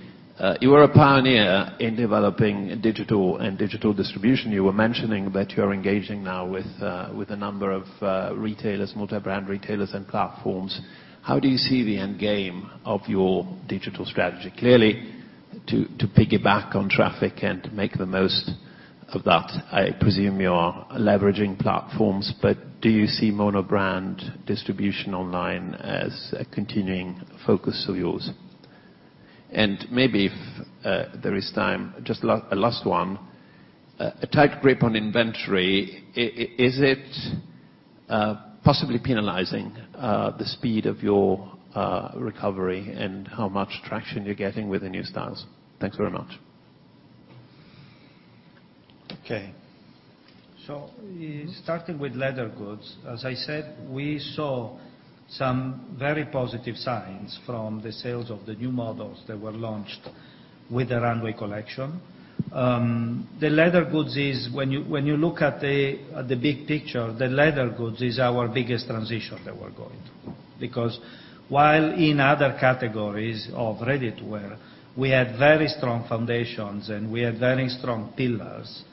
Speaker 6: you are a pioneer in developing digital and digital distribution. You were mentioning that you are engaging now with a number of retailers, multi-brand retailers, and platforms. How do you see the end game of your digital strategy? Clearly, to piggyback on traffic and make the most of that, I presume you are leveraging platforms, but do you see monobrand distribution online as a continuing focus of yours? Maybe if there is time, just a last one. A tight grip on inventory, is it possibly penalizing the speed of your recovery and how much traction you're getting with the new styles? Thanks very much.
Speaker 1: Starting with leather goods, as I said, we saw some very positive signs from the sales of the new models that were launched with the runway collection. When you look at the big picture, the leather goods is our biggest transition that we're going through. While in other categories of ready-to-wear, we had very strong foundations and we had very strong pillars.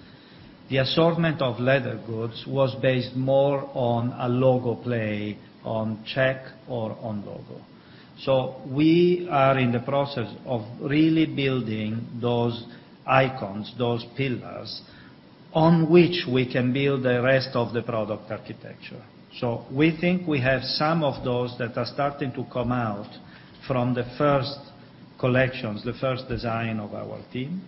Speaker 1: The assortment of leather goods was based more on a logo play on check or on logo. We are in the process of really building those icons, those pillars on which we can build the rest of the product architecture. We think we have some of those that are starting to come out from the first collections, the first design of our team.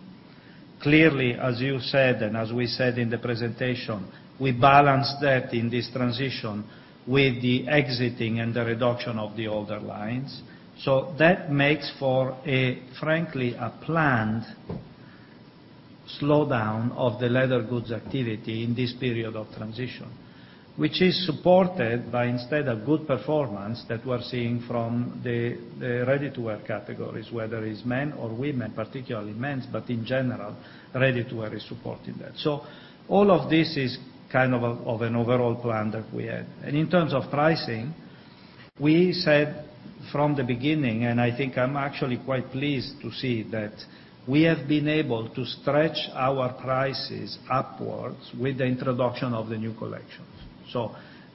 Speaker 1: Clearly, as you said, and as we said in the presentation, we balance that in this transition with the exiting and the reduction of the older lines. That makes for a, frankly, a planned slowdown of the leather goods activity in this period of transition. Which is supported by instead a good performance that we're seeing from the ready-to-wear categories, whether it's men or women, particularly men's, but in general, ready-to-wear is supporting that. All of this is kind of an overall plan that we had. In terms of pricing, we said from the beginning, and I think I'm actually quite pleased to see that we have been able to stretch our prices upwards with the introduction of the new collections.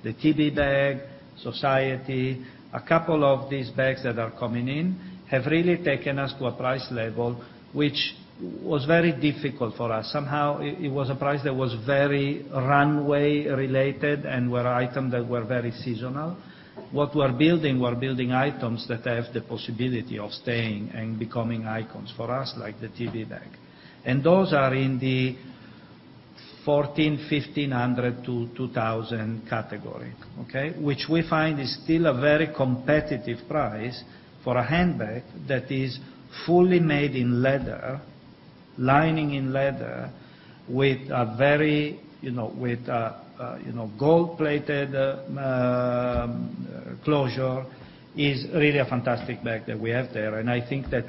Speaker 1: The TB bag, Society, a couple of these bags that are coming in have really taken us to a price level which was very difficult for us. Somehow, it was a price that was very runway-related and were items that were very seasonal. What we're building, we're building items that have the possibility of staying and becoming icons for us, like the TB bag. Those are in the 1,400, 1,500 to 2,000 category, okay? Which we find is still a very competitive price for a handbag that is fully made in leather, lining in leather, with a gold-plated closure, is really a fantastic bag that we have there. I think that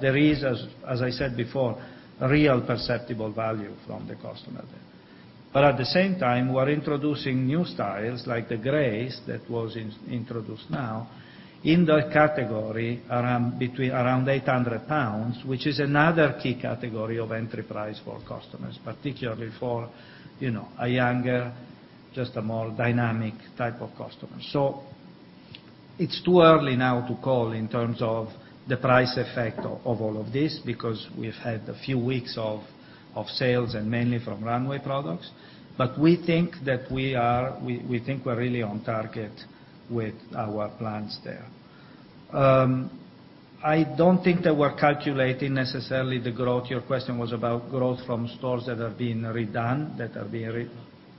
Speaker 1: there is, as I said before, real perceptible value from the customer there. At the same time, we're introducing new styles, like the Grace that was introduced now, in the category between around 800 pounds, which is another key category of entry price for customers, particularly for a younger, just a more dynamic type of customer. It's too early now to call in terms of the price effect of all of this, because we've had a few weeks of sales and mainly from runway products. We think we're really on target with our plans there. I don't think that we're calculating necessarily the growth. Your question was about growth from stores that are being redone? That are being re-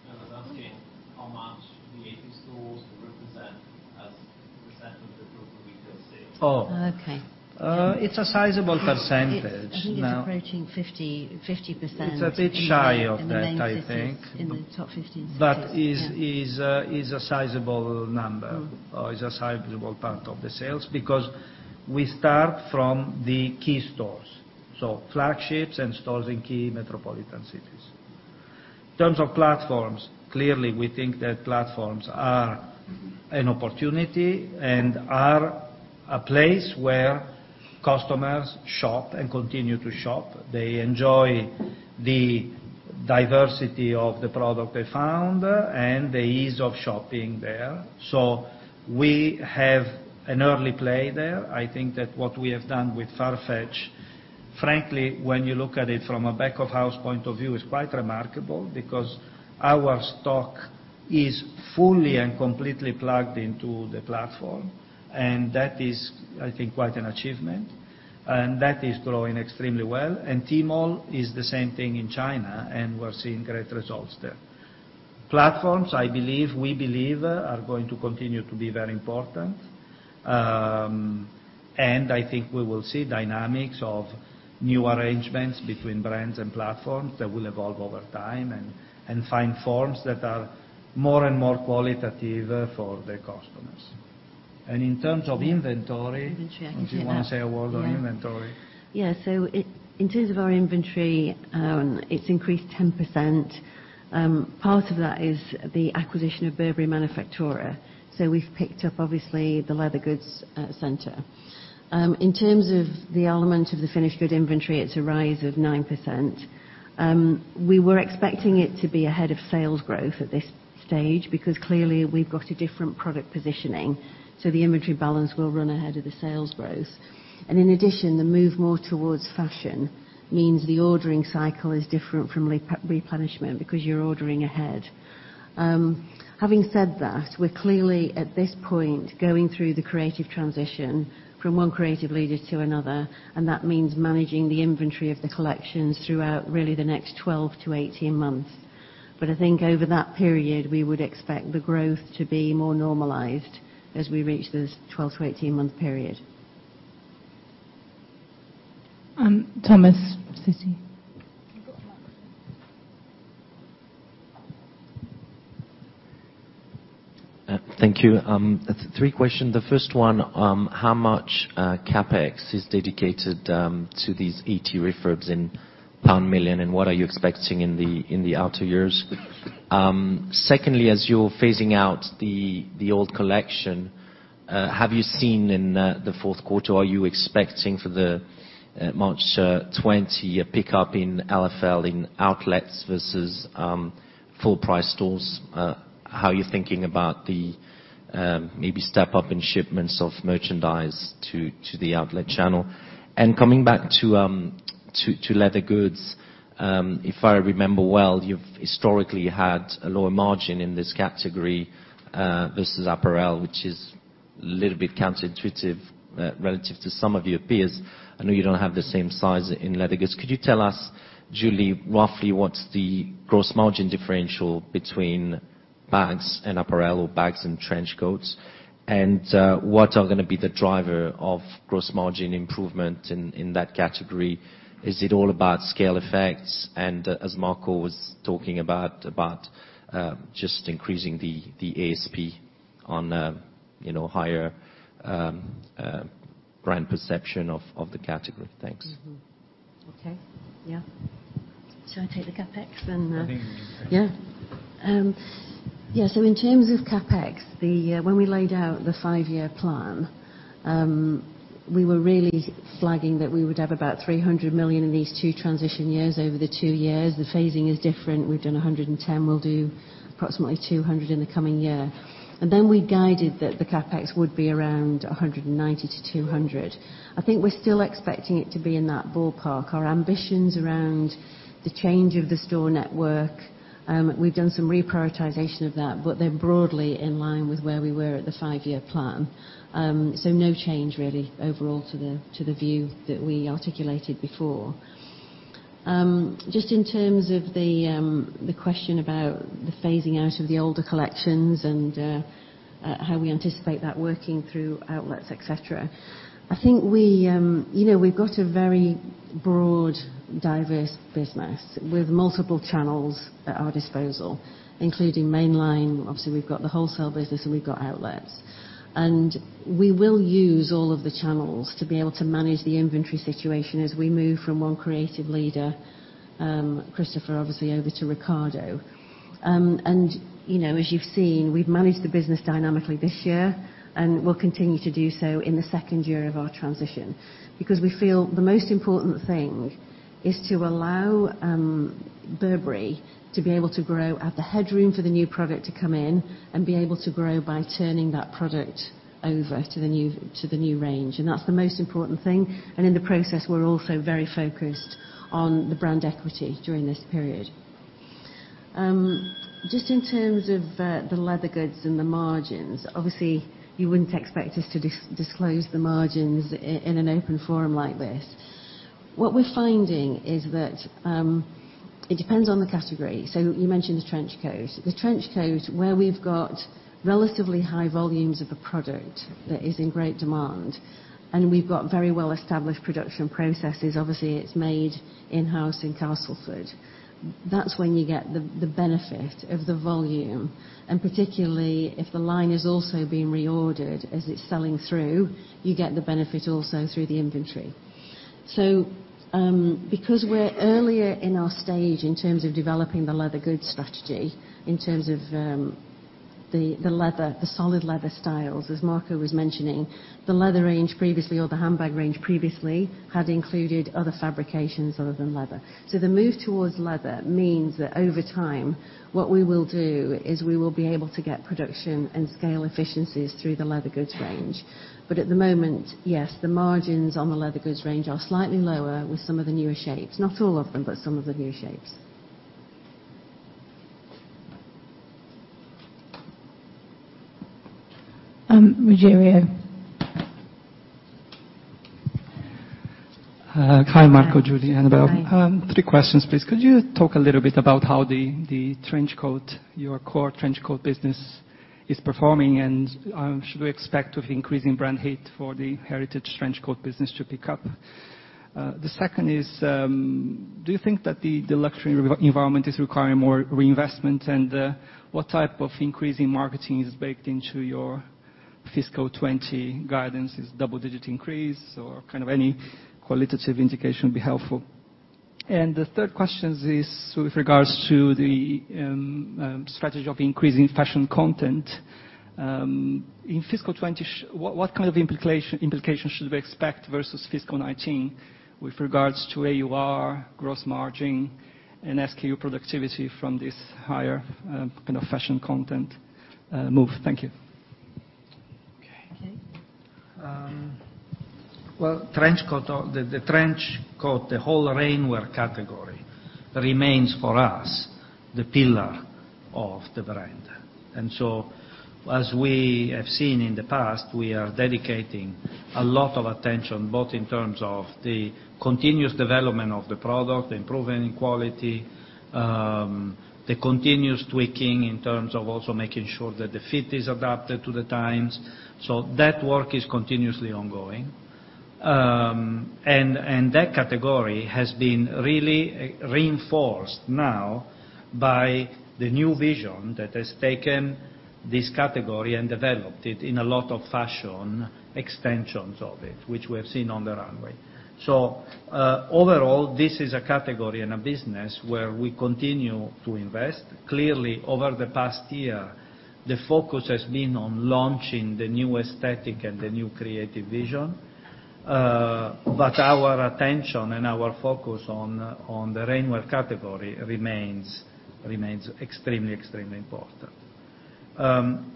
Speaker 6: I was asking how much the 80 stores represent as a % of the total retail sales.
Speaker 1: Oh.
Speaker 2: Okay.
Speaker 1: It's a sizable percentage now.
Speaker 2: I think it's approaching 50%.
Speaker 1: It's a bit shy of that, I think.
Speaker 2: in the main cities, in the top 15 cities. Yeah.
Speaker 1: Is a sizable number, or is a sizable part of the sales because we start from the key stores. Flagships and stores in key metropolitan cities. In terms of platforms, clearly, we think that platforms are an opportunity and are a place where customers shop and continue to shop. They enjoy the diversity of the product they found and the ease of shopping there. We have an early play there. I think that what we have done with Farfetch, frankly, when you look at it from a back-of-house point of view, is quite remarkable because our stock is fully and completely plugged into the platform. That is, I think, quite an achievement. That is growing extremely well. Tmall is the same thing in China, and we're seeing great results there. Platforms, we believe, are going to continue to be very important. I think we will see dynamics of new arrangements between brands and platforms that will evolve over time and find forms that are more and more qualitative for the customers. In terms of inventory.
Speaker 2: Inventory, I can take that.
Speaker 1: Do you want to say a word on inventory?
Speaker 2: Yeah. In terms of our inventory, it's increased 10%. Part of that is the acquisition of Burberry Manifattura. We've picked up, obviously, the leather goods center. In terms of the element of the finished good inventory, it's a rise of 9%. We were expecting it to be ahead of sales growth at this stage because clearly, we've got a different product positioning, so the inventory balance will run ahead of the sales growth. In addition, the move more towards fashion means the ordering cycle is different from replenishment because you're ordering ahead. Having said that, we're clearly at this point, going through the creative transition from one creative leader to another, and that means managing the inventory of the collections throughout really the next 12 to 18 months. I think over that period, we would expect the growth to be more normalized as we reach this 12 to 18-month period.
Speaker 5: Thomas, Citi.
Speaker 7: Thank you. Three questions. The first one, how much CapEx is dedicated to these 80 refurbs in pound million, and what are you expecting in the outer years? Secondly, as you're phasing out the old collection, have you seen in the fourth quarter, are you expecting for the March 20, a pickup in LFL in outlets versus full price stores? How are you thinking about the maybe step up in shipments of merchandise to the outlet channel? Coming back to leather goods, if I remember well, you've historically had a lower margin in this category versus apparel, which is a little bit counterintuitive relative to some of your peers. I know you don't have the same size in leather goods. Could you tell us, Julie, roughly what's the gross margin differential between bags and apparel, or bags and trench coats? What are going to be the driver of gross margin improvement in that category? Is it all about scale effects and as Marco was talking about just increasing the ASP on higher brand perception of the category? Thanks.
Speaker 2: Mm-hmm. Okay. Yeah. Should I take the CapEx then?
Speaker 1: I think you can.
Speaker 2: Yeah. In terms of CapEx, when we laid out the five-year plan, we were really flagging that we would have about 300 million in these two transition years over the two years. The phasing is different. We've done 110, we'll do approximately 200 in the coming year. Then we guided that the CapEx would be around 190-200. I think we're still expecting it to be in that ballpark. Our ambitions around the change of the store network, we've done some reprioritization of that, but they're broadly in line with where we were at the five-year plan. No change really, overall to the view that we articulated before. Just in terms of the question about the phasing out of the older collections and how we anticipate that working through outlets, et cetera. I think we've got a very broad, diverse business with multiple channels at our disposal, including mainline. Obviously, we've got the wholesale business, and we've got outlets. We will use all of the channels to be able to manage the inventory situation as we move from one creative leader, Christopher, obviously, over to Riccardo. As you've seen, we've managed the business dynamically this year, and we'll continue to do so in the second year of our transition. Because we feel the most important thing is to allow Burberry to be able to grow, have the headroom for the new product to come in, and be able to grow by turning that product over to the new range. That's the most important thing, and in the process, we're also very focused on the brand equity during this period. Just in terms of the leather goods and the margins, obviously, you wouldn't expect us to disclose the margins in an open forum like this. What we're finding is that it depends on the category. You mentioned the trench coat. The trench coat, where we've got relatively high volumes of a product that is in great demand, and we've got very well-established production processes. Obviously, it's made in-house in Castleford. That's when you get the benefit of the volume, and particularly if the line is also being reordered as it's selling through, you get the benefit also through the inventory. Because we're earlier in our stage in terms of developing the leather goods strategy, in terms of the solid leather styles, as Marco was mentioning. The leather range previously, or the handbag range previously, had included other fabrications other than leather. The move towards leather means that over time, what we will do is we will be able to get production and scale efficiencies through the leather goods range. At the moment, yes, the margins on the leather goods range are slightly lower with some of the newer shapes. Not all of them, but some of the newer shapes. Rogério.
Speaker 6: Hi, Marco, Julie, Annabel.
Speaker 2: Hi.
Speaker 6: Three questions, please. Could you talk a little bit about how the trench coat, your core trench coat business, is performing, should we expect to be increasing brand heat for the heritage trench coat business to pick up? The second is, do you think that the luxury environment is requiring more reinvestment? What type of increase in marketing is baked into your fiscal 2020 guidance? Is it double-digit increase, or kind of any qualitative indication would be helpful. The third question is with regards to the strategy of increasing fashion content. In fiscal 2020, what kind of implications should we expect versus fiscal 2019 with regards to AUR, gross margin, and SKU productivity from this higher kind of fashion content move? Thank you.
Speaker 1: Okay.
Speaker 2: Okay.
Speaker 1: Well, the trench coat, the whole rainwear category remains for us, the pillar of the brand. As we have seen in the past, we are dedicating a lot of attention, both in terms of the continuous development of the product, improving quality, the continuous tweaking in terms of also making sure that the fit is adapted to the times. That work is continuously ongoing. That category has been really reinforced now by the new vision that has taken this category and developed it in a lot of fashion extensions of it, which we have seen on the runway. Overall, this is a category and a business where we continue to invest. Clearly, over the past year, the focus has been on launching the new aesthetic and the new creative vision. Our attention and our focus on the rainwear category remains extremely important.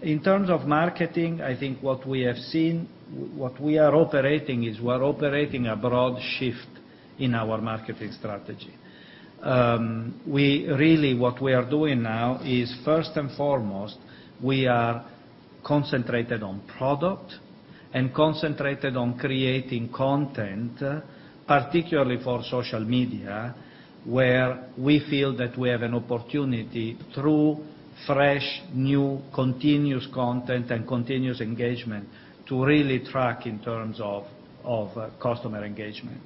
Speaker 1: In terms of marketing, I think what we have seen, what we are operating is we're operating a broad shift in our marketing strategy. Really what we are doing now is, first and foremost, we are concentrated on product and concentrated on creating content, particularly for social media, where we feel that we have an opportunity through fresh, new, continuous content and continuous engagement to really track in terms of customer engagement.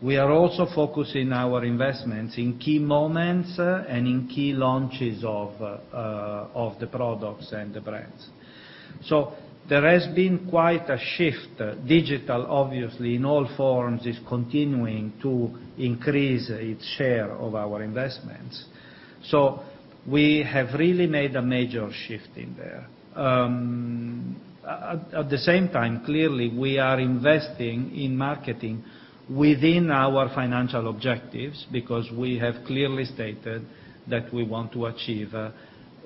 Speaker 1: We are also focusing our investments in key moments and in key launches of the products and the brands. There has been quite a shift. Digital, obviously, in all forms, is continuing to increase its share of our investments. So we have really made a major shift in there. At the same time, clearly, we are investing in marketing within our financial objectives because we have clearly stated that we want to achieve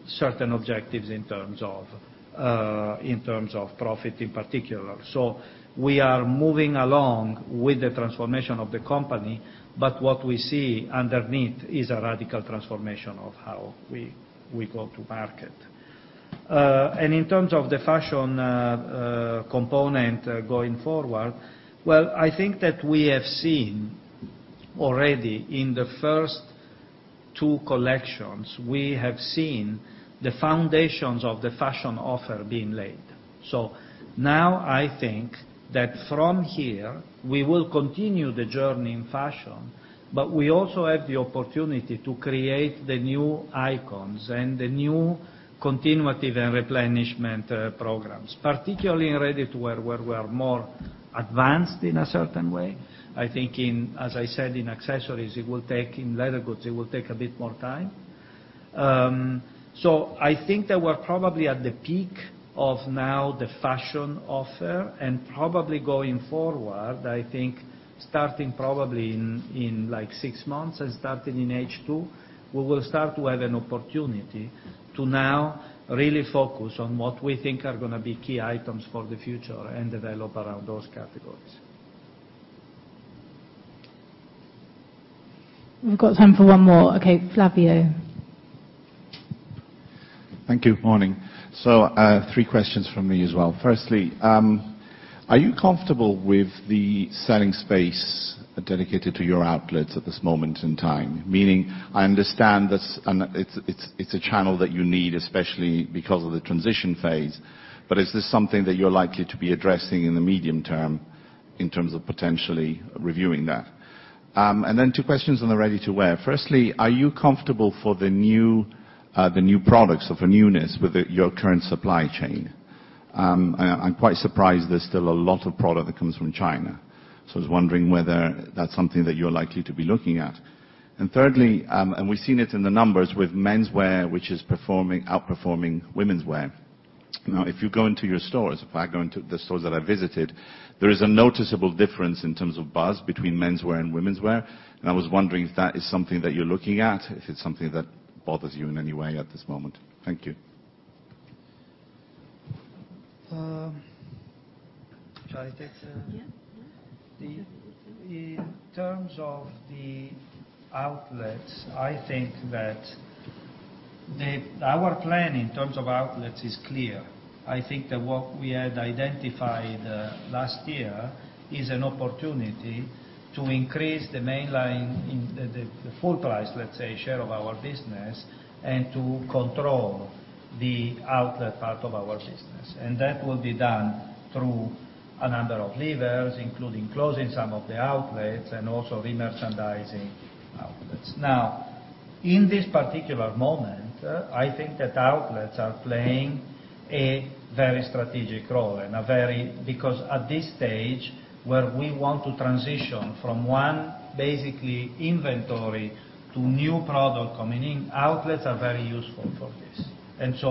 Speaker 1: certain objectives in terms of profit in particular. We are moving along with the transformation of the company, but what we see underneath is a radical transformation of how we go to market. In terms of the fashion component going forward, well, I think that we have seen already in the first two collections, we have seen the foundations of the fashion offer being laid. Now I think that from here we will continue the journey in fashion, but we also have the opportunity to create the new icons and the new continuative and replenishment programs, particularly in ready-to-wear where we are more advanced in a certain way. I think, as I said, in accessories, in leather goods, it will take a bit more time. I think that we're probably at the peak of now the fashion offer and probably going forward, I think starting probably in 6 months and starting in H2, we will start to have an opportunity to now really focus on what we think are going to be key items for the future and develop around those categories.
Speaker 5: We've got time for one more. Okay, Flavio.
Speaker 6: Thank you. Morning. Three questions from me as well. Firstly, are you comfortable with the selling space dedicated to your outlets at this moment in time? Meaning, I understand that it's a channel that you need especially because of the transition phase, but is this something that you're likely to be addressing in the medium term in terms of potentially reviewing that? Then two questions on the ready-to-wear. Firstly, are you comfortable for the new products of a newness with your current supply chain? I'm quite surprised there's still a lot of product that comes from China, I was wondering whether that's something that you're likely to be looking at. Thirdly, and we've seen it in the numbers with menswear which is outperforming womenswear. If you go into your stores, if I go into the stores that I visited, there is a noticeable difference in terms of buzz between menswear and womenswear, and I was wondering if that is something that you're looking at, if it's something that bothers you in any way at this moment. Thank you.
Speaker 1: Shall I take that?
Speaker 2: Yeah.
Speaker 1: In terms of the outlets, I think that our plan in terms of outlets is clear. I think that what we had identified last year is an opportunity to increase the main line in the full price, let's say, share of our business and to control the outlet part of our business. That will be done through a number of levers, including closing some of the outlets and also remerchandising outlets. In this particular moment, I think that outlets are playing a very strategic role because at this stage where we want to transition from one basically inventory to new product coming in, outlets are very useful for this.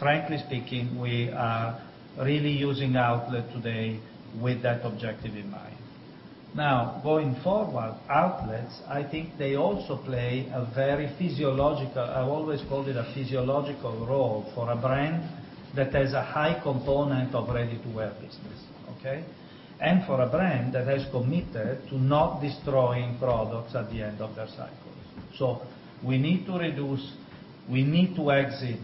Speaker 1: Frankly speaking, we are really using outlet today with that objective in mind. Going forward, outlets, I think they also play a very physiological, I've always called it a physiological role for a brand that has a high component of ready-to-wear business, okay? For a brand that has committed to not destroying products at the end of their cycles. We need to reduce, we need to exit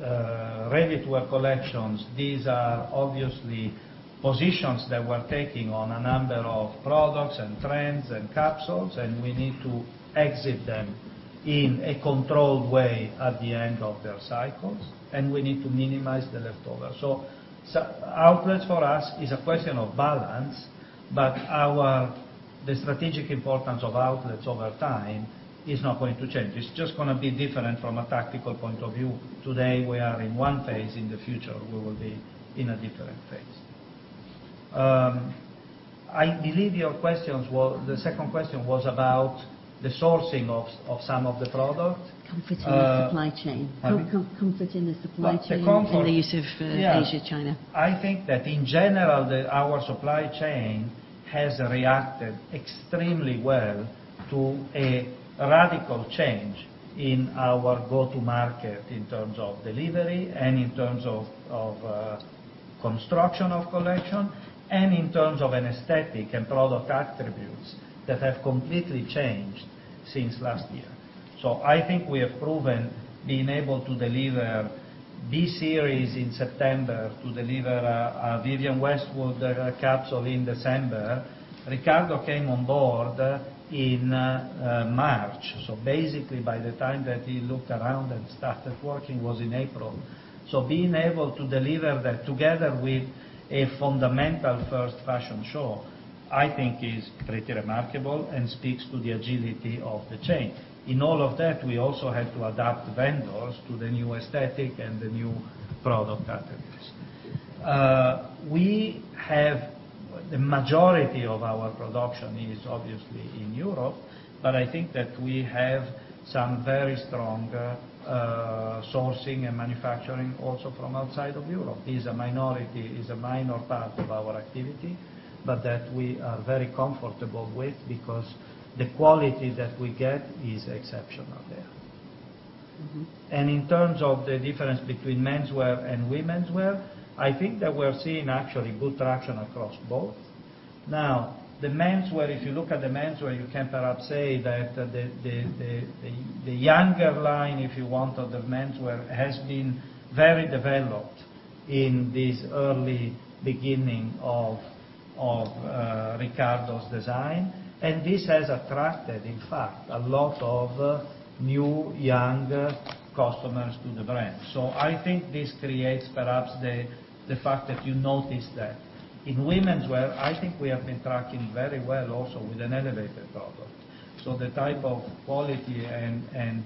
Speaker 1: ready-to-wear collections. These are obviously positions that we're taking on a number of products and trends and capsules, and we need to exit them in a controlled way at the end of their cycles, and we need to minimize the leftover. Outlets for us is a question of balance, but the strategic importance of outlets over time is not going to change. It's just going to be different from a tactical point of view. Today we are in one phase, in the future we will be in a different phase. I believe the second question was about the sourcing of some of the product.
Speaker 2: Comfort in the supply chain.
Speaker 1: Pardon?
Speaker 2: Comfort in the supply chain.
Speaker 1: The comfort.
Speaker 2: in the use of.
Speaker 1: Yeah
Speaker 2: Asia, China.
Speaker 1: I think that in general, our supply chain has reacted extremely well to a radical change in our go-to market in terms of delivery and in terms of construction of collection and in terms of an aesthetic and product attributes that have completely changed since last year. I think we have proven being able to deliver this series in September to deliver a Vivienne Westwood capsule in December. Riccardo came on board in March. Basically by the time that he looked around and started working was in April. Being able to deliver that together with a fundamental first fashion show I think is pretty remarkable and speaks to the agility of the chain. In all of that, we also had to adapt vendors to the new aesthetic and the new product attributes. The majority of our production is obviously in Europe, but I think that we have some very strong sourcing and manufacturing also from outside of Europe. It's a minority, it's a minor part of our activity but that we are very comfortable with because the quality that we get is exceptional there. In terms of the difference between menswear and womenswear, I think that we're seeing actually good traction across both. Now, the menswear, if you look at the menswear, you can perhaps say that the younger line, if you want, of the menswear has been very developed in this early beginning of Riccardo's design, and this has attracted, in fact, a lot of new, younger customers to the brand. I think this creates perhaps the fact that you notice that. In womenswear, I think we have been tracking very well also with an elevated product. The type of quality and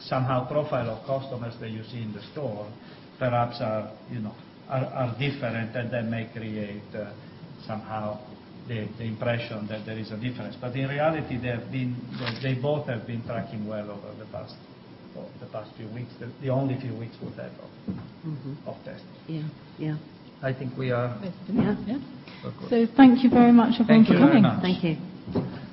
Speaker 1: somehow profile of customers that you see in the store perhaps are different and that may create somehow the impression that there is a difference. In reality, they both have been tracking well over the past few weeks, the only few weeks with that of test.
Speaker 2: Yeah.
Speaker 1: I think we are
Speaker 2: Yeah. Thank you very much everyone for coming.
Speaker 1: Thank you very much.
Speaker 2: Thank you.